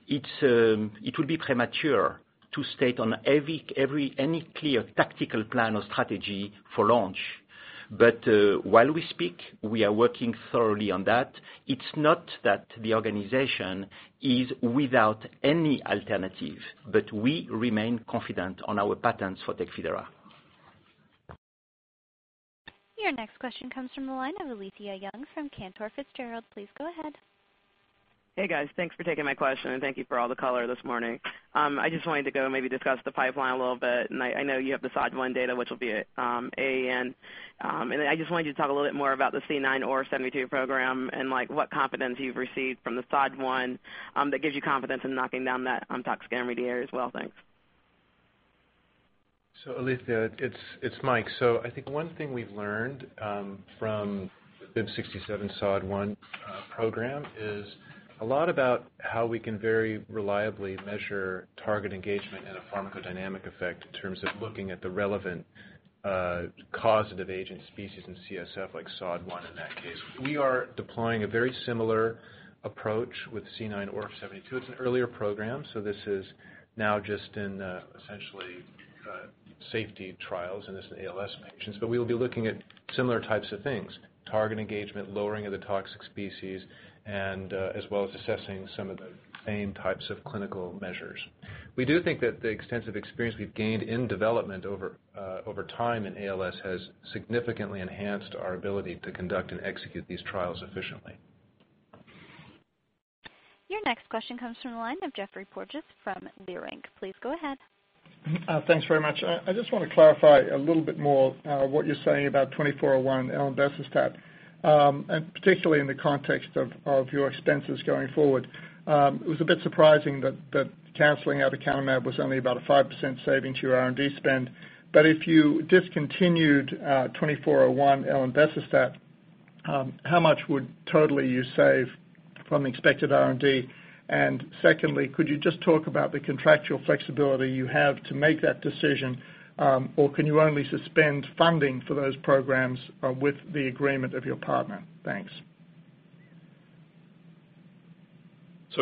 It will be premature to state on any clear tactical plan or strategy for launch. While we speak, we are working thoroughly on that. It's not that the organization is without any alternative, we remain confident on our patents for TECFIDERA. Your next question comes from the line of Alethia Young from Cantor Fitzgerald. Please go ahead. Hey, guys. Thanks for taking my question, and thank you for all the color this morning. I just wanted to go maybe discuss the pipeline a little bit. I know you have the SOD1 data, which will be AAN. I just wanted you to talk a little bit more about the C9orf72 program and what confidence you've received from the SOD1 that gives you confidence in knocking down that toxic RNA as well. Thanks. Alethia, it's Mike. I think one thing we've learned from the BIIB067 SOD1 program is a lot about how we can very reliably measure target engagement and a pharmacodynamic effect in terms of looking at the relevant causative agent species in CSF, like SOD1 in that case. We are deploying a very similar approach with C9orf72. It's an earlier program, so this is now just in essentially safety trials, and this is ALS patients. We will be looking at similar types of things, target engagement, lowering of the toxic species, and as well as assessing some of the same types of clinical measures. We do think that the extensive experience we've gained in development over time in ALS has significantly enhanced our ability to conduct and execute these trials efficiently. Your next question comes from the line of Geoffrey Porges from B. Riley. Please go ahead. Thanks very much. I just want to clarify a little bit more what you're saying about BAN2401 and elenbecestat, and particularly in the context of your expenses going forward. It was a bit surprising that canceling aducanumab was only about a 5% saving to your R&D spend. If you discontinued BAN2401 elenbecestat, how much would totally you save from expected R&D? Secondly, could you just talk about the contractual flexibility you have to make that decision? Can you only suspend funding for those programs with the agreement of your partner? Thanks.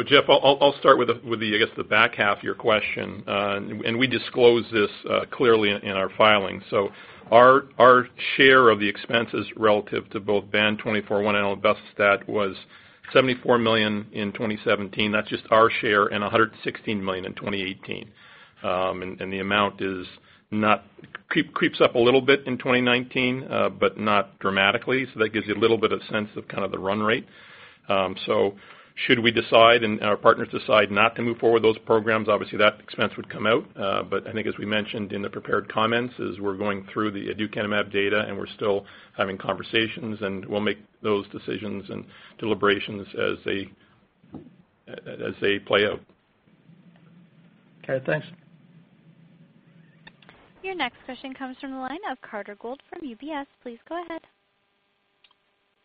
Jeff, I'll start with, I guess the back half of your question. We disclosed this clearly in our filing. Our share of the expenses relative to both BAN2401 and elenbecestat was $74 million in 2017. That's just our share, and $116 million in 2018. The amount creeps up a little bit in 2019, but not dramatically. That gives you a little bit of sense of kind of the run rate. Should we decide, and our partners decide not to move forward those programs, obviously that expense would come out. I think as we mentioned in the prepared comments, as we're going through the aducanumab data, and we're still having conversations, and we'll make those decisions and deliberations as they play out. Okay, thanks. Your next question comes from the line of Carter Gould from UBS. Please go ahead.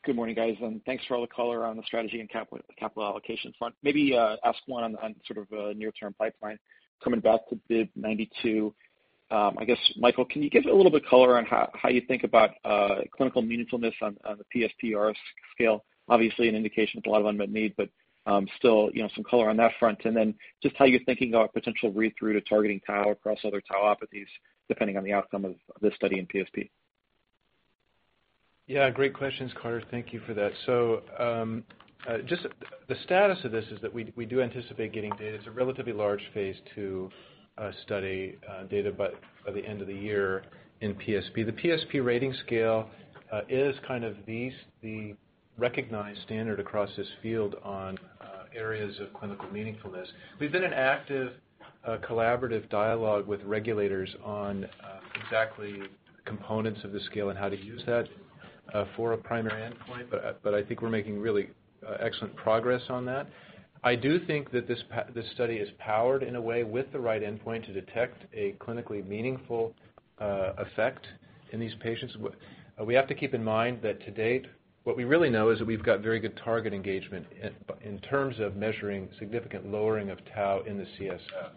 Good morning, guys. Thanks for all the color on the strategy and capital allocation front. Maybe ask one on sort of near-term pipeline. Coming back to BIIB092, I guess, Michael, can you give a little bit color on how you think about clinical meaningfulness on the PSPRS scale? Obviously an indication with a lot of unmet need, but still some color on that front. Then just how you're thinking about potential read-through to targeting tau across other tauopathies, depending on the outcome of this study in PSP. Great questions, Carter. Thank you for that. The status of this is that we do anticipate getting data. It's a relatively large phase II study data by the end of the year in PSP. The PSP rating scale is the recognized standard across this field on areas of clinical meaningfulness. We've been in active collaborative dialogue with regulators on exactly components of the scale and how to use that for a primary endpoint. I think we're making really excellent progress on that. I do think that this study is powered in a way with the right endpoint to detect a clinically meaningful effect in these patients. We have to keep in mind that to date, what we really know is that we've got very good target engagement in terms of measuring significant lowering of tau in the CSF.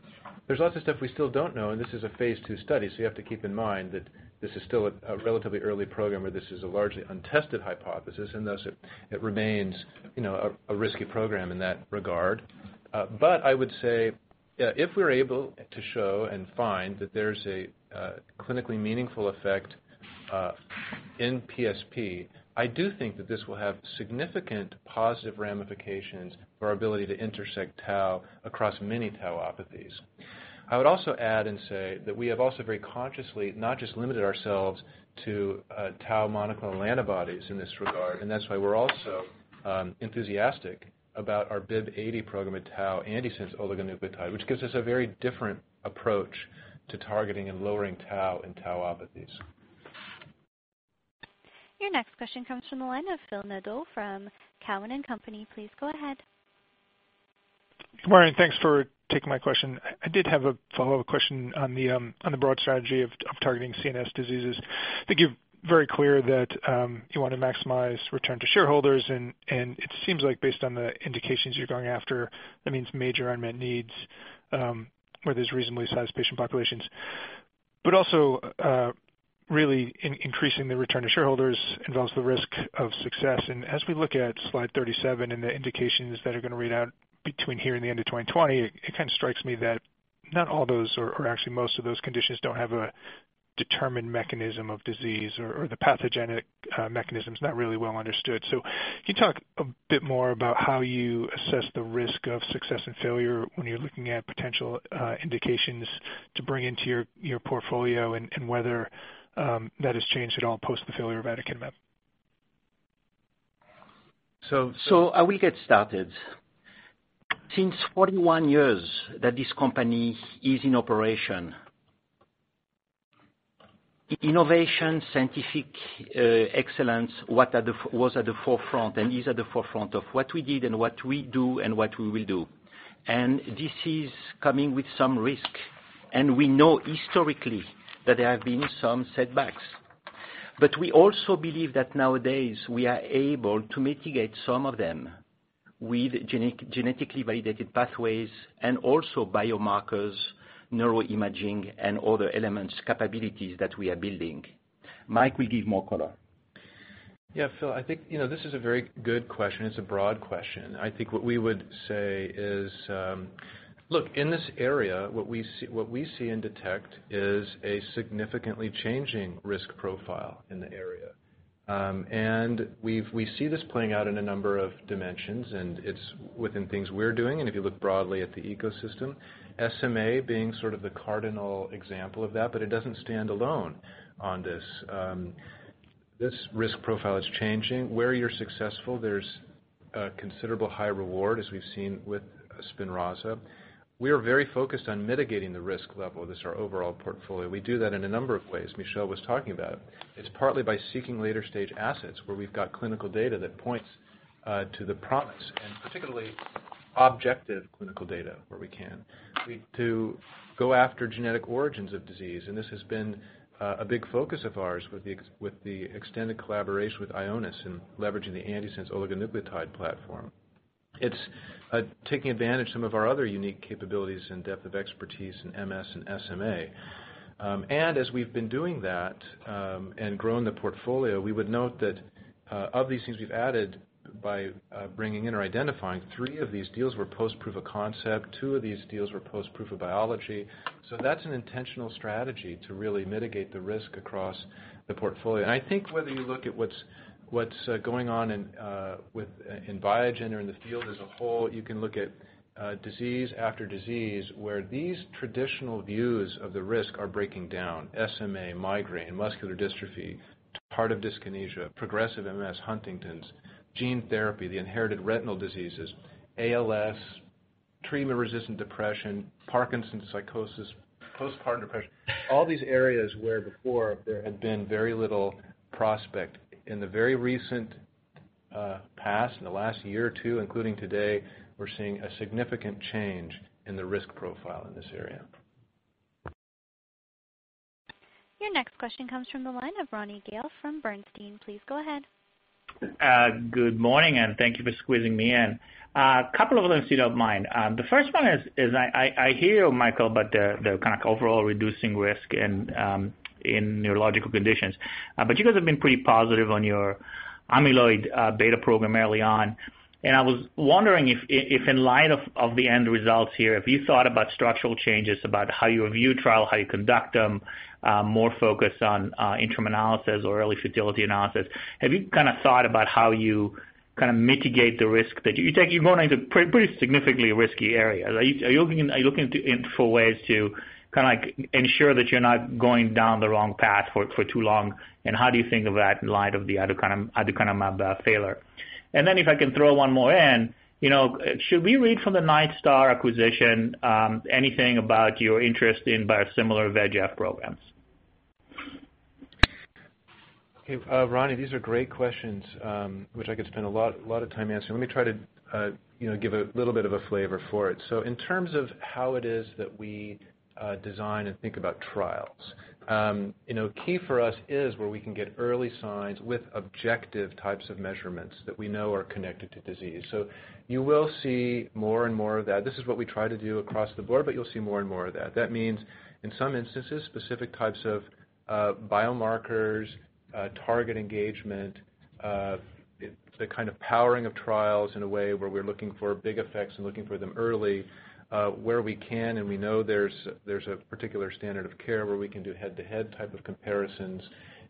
There's lots of stuff we still don't know, and this is a phase II study. You have to keep in mind that this is still a relatively early program where this is a largely untested hypothesis, and thus it remains a risky program in that regard. I would say if we're able to show and find that there's a clinically meaningful effect in PSP, I do think that this will have significant positive ramifications for our ability to intersect tau across many tauopathies. I would also add and say that we have also very consciously not just limited ourselves to tau monoclonal antibodies in this regard, and that's why we're also enthusiastic about our BIIB080 program and tau antisense oligonucleotide, which gives us a very different approach to targeting and lowering tau in tauopathies. Your next question comes from the line of Phil Nadeau from Cowen and Company. Please go ahead. Good morning. Thanks for taking my question. I did have a follow-up question on the broad strategy of targeting CNS diseases. I think you're very clear that you want to maximize return to shareholders, and it seems like based on the indications you're going after, that means major unmet needs where there's reasonably sized patient populations. Also, really increasing the return to shareholders involves the risk of success. As we look at slide 37 and the indications that are going to read out between here and the end of 2020, it kind of strikes me that not all those are actually most of those conditions don't have a determined mechanism of disease or the pathogenic mechanism's not really well understood. Can you talk a bit more about how you assess the risk of success and failure when you're looking at potential indications to bring into your portfolio and whether that has changed at all post the failure of aducanumab? I will get started. Since 41 years that this company is in operation, innovation, scientific excellence was at the forefront and is at the forefront of what we did and what we do and what we will do. This is coming with some risk. We know historically, that there have been some setbacks. We also believe that nowadays, we are able to mitigate some of them with genetically validated pathways and also biomarkers, neuroimaging, and other elements, capabilities that we are building. Mike will give more color. Yeah, Phil, I think this is a very good question. It's a broad question. I think what we would say is, look, in this area, what we see and detect is a significantly changing risk profile in the area. We see this playing out in a number of dimensions, and it's within things we're doing, and if you look broadly at the ecosystem, SMA being sort of the cardinal example of that, but it doesn't stand alone on this. This risk profile is changing. Where you're successful, there's a considerable high reward, as we've seen with SPINRAZA. We are very focused on mitigating the risk level of this, our overall portfolio. We do that in a number of ways Michel was talking about. It's partly by seeking later-stage assets where we've got clinical data that points to the promise, and particularly objective clinical data where we can. We do go after genetic origins of disease, and this has been a big focus of ours with the extended collaboration with Ionis and leveraging the antisense oligonucleotide platform. It's taking advantage some of our other unique capabilities and depth of expertise in MS and SMA. As we've been doing that and growing the portfolio, we would note that of these things we've added by bringing in or identifying, three of these deals were post proof of concept, two of these deals were post proof of biology. That's an intentional strategy to really mitigate the risk across the portfolio. I think whether you look at what's going on in Biogen or in the field as a whole, you can look at disease after disease where these traditional views of the risk are breaking down. SMA, migraine, muscular dystrophy, tardive dyskinesia, progressive MS, Huntington's, gene therapy, the inherited retinal diseases, ALS, treatment-resistant depression, Parkinson's psychosis, postpartum depression. All these areas where before there had been very little prospect. In the very recent past, in the last year or two, including today, we're seeing a significant change in the risk profile in this area. Your next question comes from the line of Ronny Gal from Bernstein. Please go ahead. Good morning, thank you for squeezing me in. A couple of mine. The first one is I hear you, Michael, about the kind of overall reducing risk in neurological conditions. You guys have been pretty positive on your Amyloid beta program early on. I was wondering if in light of the end results here, have you thought about structural changes, about how you review trial, how you conduct them, more focused on interim analysis or early futility analysis? Have you thought about how you mitigate the risk that you take? You're going into pretty significantly risky areas. Are you looking for ways to ensure that you're not going down the wrong path for too long? How do you think of that in light of the aducanumab failure? If I can throw one more in, should we read from the Nightstar acquisition anything about your interest in biosimilar VEGF programs? Okay. Ronny, these are great questions, which I could spend a lot of time answering. Let me try to give a little bit of a flavor for it. In terms of how it is that we design and think about trials. Key for us is where we can get early signs with objective types of measurements that we know are connected to disease. You will see more and more of that. This is what we try to do across the board, but you'll see more and more of that. That means, in some instances, specific types of biomarkers, target engagement, the kind of powering of trials in a way where we're looking for big effects and looking for them early, where we can and we know there's a particular standard of care where we can do head-to-head type of comparisons.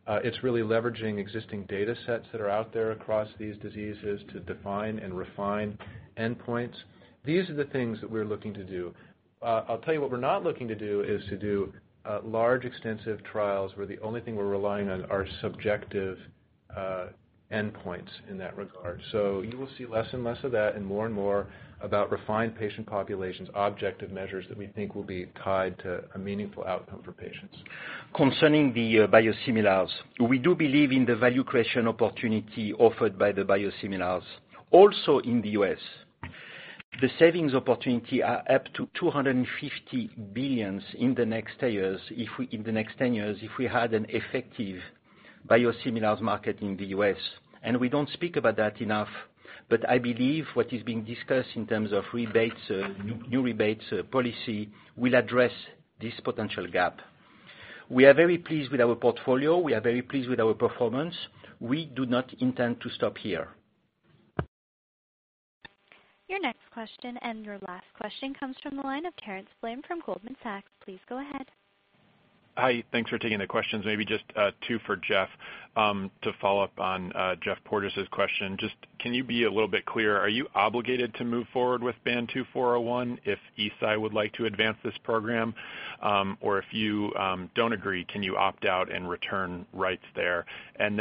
It's really leveraging existing data sets that are out there across these diseases to define and refine endpoints. These are the things that we're looking to do. I'll tell you what we're not looking to do is to do large, extensive trials where the only thing we're relying on are subjective endpoints in that regard. You will see less and less of that and more and more about refined patient populations, objective measures that we think will be tied to a meaningful outcome for patients. Concerning the biosimilars, we do believe in the value creation opportunity offered by the biosimilars. Also in the U.S., the savings opportunity are up to $250 billion in the next 10 years if we had an effective biosimilars market in the U.S. We don't speak about that enough, but I believe what is being discussed in terms of new rebates policy will address this potential gap. We are very pleased with our portfolio. We are very pleased with our performance. We do not intend to stop here. Your next question and your last question comes from the line of Terence Flynn from Goldman Sachs. Please go ahead. Hi. Thanks for taking the questions. Maybe just two for Jeff. To follow up on Geoff Porges' question, just can you be a little bit clearer? Are you obligated to move forward with BAN2401 if Eisai would like to advance this program? Or if you don't agree, can you opt out and return rights there? On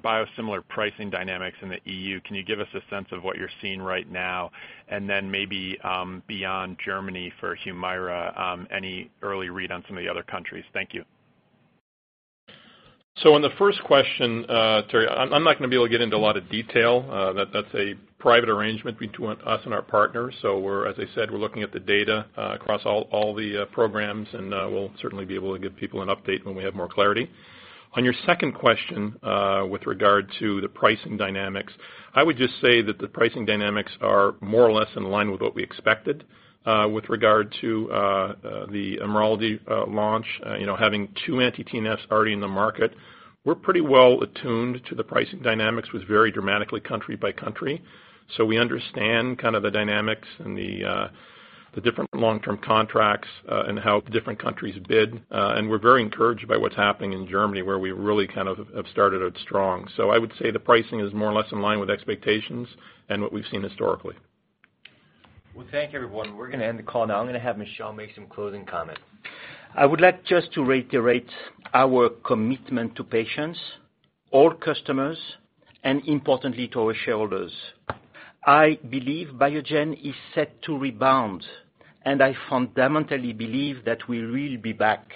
biosimilar pricing dynamics in the EU, can you give us a sense of what you're seeing right now? Then maybe beyond Germany for HUMIRA, any early read on some of the other countries? Thank you. On the first question, Terry, I'm not going to be able to get into a lot of detail. That's a private arrangement between us and our partners. As I said, we're looking at the data across all the programs, and we'll certainly be able to give people an update when we have more clarity. On your second question, with regard to the pricing dynamics, I would just say that the pricing dynamics are more or less in line with what we expected with regard to the IMRALDI launch. Having two anti-TNFs already in the market, we're pretty well attuned to the pricing dynamics with very dramatically country by country. We understand the dynamics and the different long-term contracts and how different countries bid, and we're very encouraged by what's happening in Germany, where we really have started out strong. I would say the pricing is more or less in line with expectations and what we've seen historically. Thank you, everyone. We're going to end the call now. I'm going to have Michel make some closing comments. I would like just to reiterate our commitment to patients, all customers, and importantly to our shareholders. I believe Biogen is set to rebound, and I fundamentally believe that we will be back